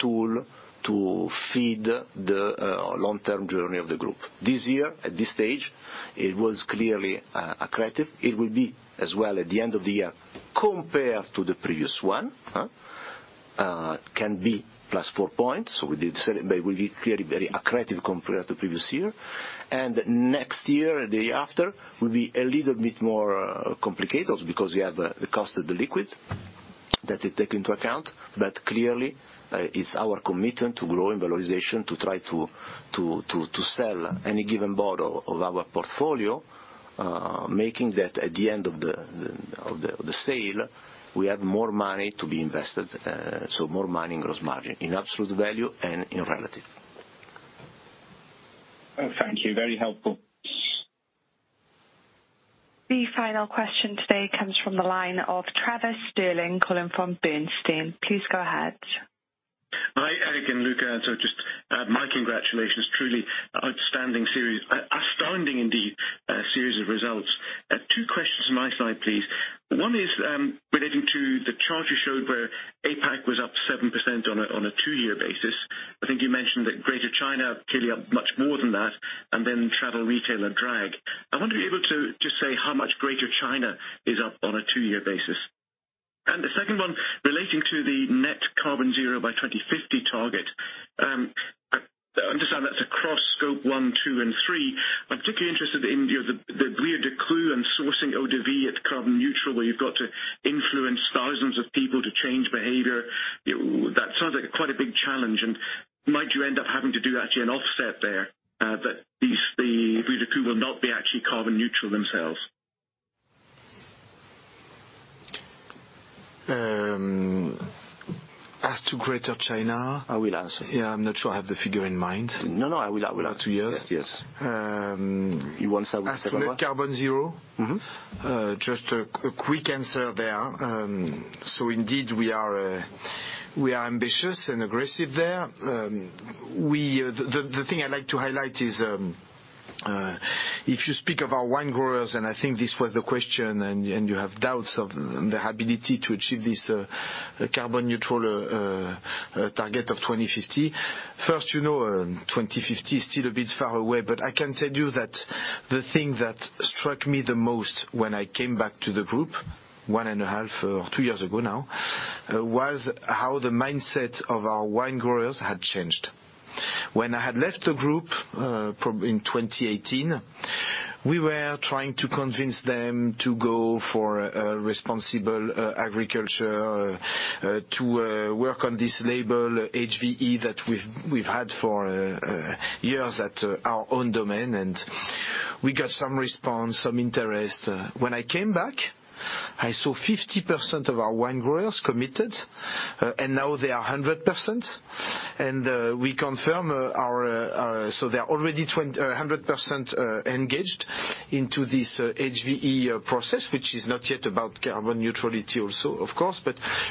tool to feed the long-term journey of the group. This year, at this stage, it was clearly accretive. It will be as well at the end of the year compared to the previous one. Can be plus 4 points. We did say it will be clearly very accretive compared to previous year. Next year and the year after will be a little bit more complicated because you have the cost of the liquid That is taken into account, but clearly, it's our commitment to grow in valorization, to try to sell any given bottle of our portfolio, making that at the end of the sale, we have more money to be invested, so more money in gross margin, in absolute value and in relative. Oh, thank you. Very helpful. The final question today comes from the line of Trevor Stirling calling from Bernstein. Please go ahead. Hi, Eric Vallat and Luca Marotta. Just my congratulations, truly outstanding series. Astounding indeed, series of results. Two questions on my side, please. One is relating to the chart you showed where APAC was up 7% on a two-year basis. I think you mentioned that Greater China clearly up much more than that and then travel retail drag. I wonder if you're able to just say how much Greater China is up on a two-year basis. The second one relating to the net carbon zero by 2050 target. I understand that's across Scope 1, 2, and 3. I'm particularly interested in the bouilleurs de cru and sourcing eau-de-vie at carbon neutral, where you've got to influence thousands of people to change behavior. That sounds like quite a big challenge, and might you end up having to do actually an offset there, that the bouilleurs de cru will not be actually carbon neutral themselves. As to Greater China. I will answer. Yeah, I'm not sure I have the figure in mind. No, I will answer. Two years. Yes. Yes. Um. You want some of the carbon zero? Mm-hmm. Just a quick answer there. Indeed, we are ambitious and aggressive there. The thing I'd like to highlight is, if you speak of our wine growers, and I think this was the question, and you have doubts of the ability to achieve this carbon neutral target of 2050. First, you know, 2050 is still a bit far away, but I can tell you that the thing that struck me the most when I came back to the group one and a half or two years ago now was how the mindset of our wine growers had changed. When I had left the group in 2018, we were trying to convince them to go for responsible agriculture to work on this label HVE that we've had for years at our own domain, and we got some response, some interest. When I came back, I saw 50% of our wine growers committed, and now they are 100%. We confirm they're already 100% engaged into this HVE process, which is not yet about carbon neutrality also, of course.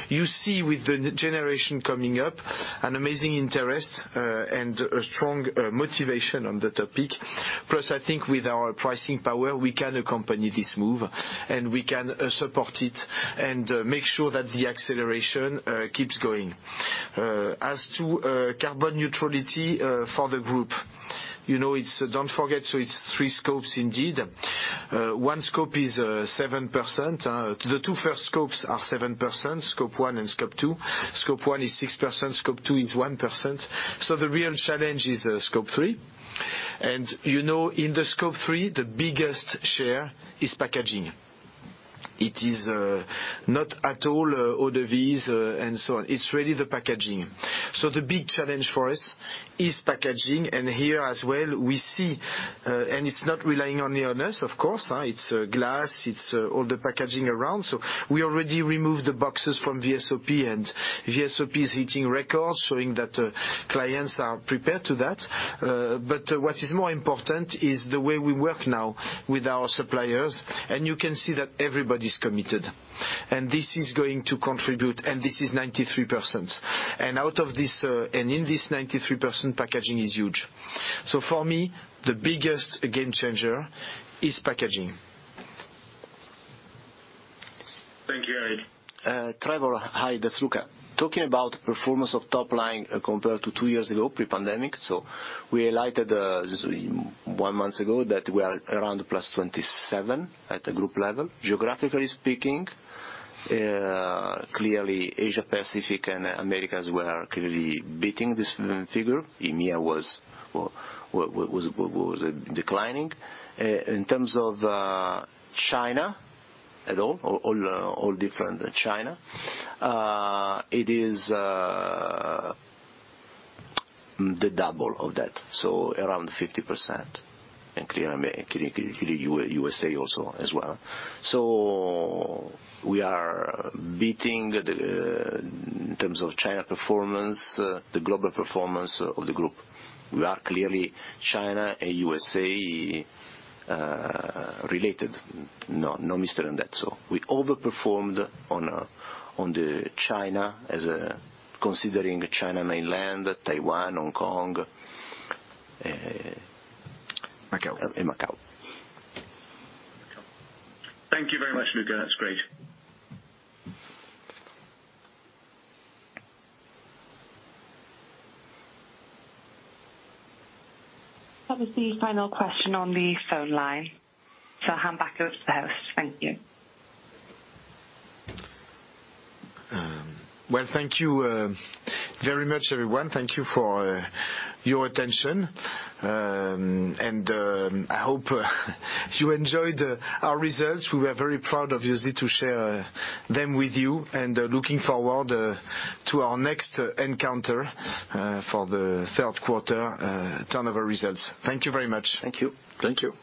You see with the generation coming up an amazing interest and a strong motivation on the topic. Plus, I think with our pricing power, we can accompany this move, and we can support it and make sure that the acceleration keeps going. As to carbon neutrality for the group, you know, Don't forget. It's three scopes indeed. One scope is 7%. The two first scopes are 7%, scope one and scope two. Scope one is 6%, scope two is 1%. The real challenge is scope three. You know, in the scope three, the biggest share is packaging. It is not at all eaux-de-vie and so on. It's really the packaging. The big challenge for us is packaging. Here as well, we see, and it's not relying only on us, of course, it's glass, it's all the packaging around. We already removed the boxes from VSOP, and VSOP is hitting records, showing that clients are prepared to that. What is more important is the way we work now with our suppliers, and you can see that everybody's committed. This is going to contribute, and this is 93%. Out of this, and in this 93%, packaging is huge. For me, the biggest game changer is packaging. Thank you, Éric. Trevor. Hi, that's Luca. Talking about performance of top line compared to two years ago, pre-pandemic. We highlighted one month ago that we are around +27% at the group level. Geographically speaking, clearly Asia-Pacific and Americas were clearly beating this figure. EMEA was declining. In terms of all different China, it is the double of that, so around 50% and clearly USA also as well. We are beating, in terms of China performance, the global performance of the group. We are clearly China and USA related. No mystery in that. We overperformed on the China considering China mainland, Taiwan, Hong Kong. Macau. Macau. Thank you very much, Luca. That's great. That was the final question on the phone line, so I'll hand back over to the host. Thank you. Well, thank you very much, everyone. Thank you for your attention. I hope you enjoyed our results. We were very proud obviously to share them with you and looking forward to our next encounter for the third quarter turnover results. Thank you very much. Thank you. Thank you.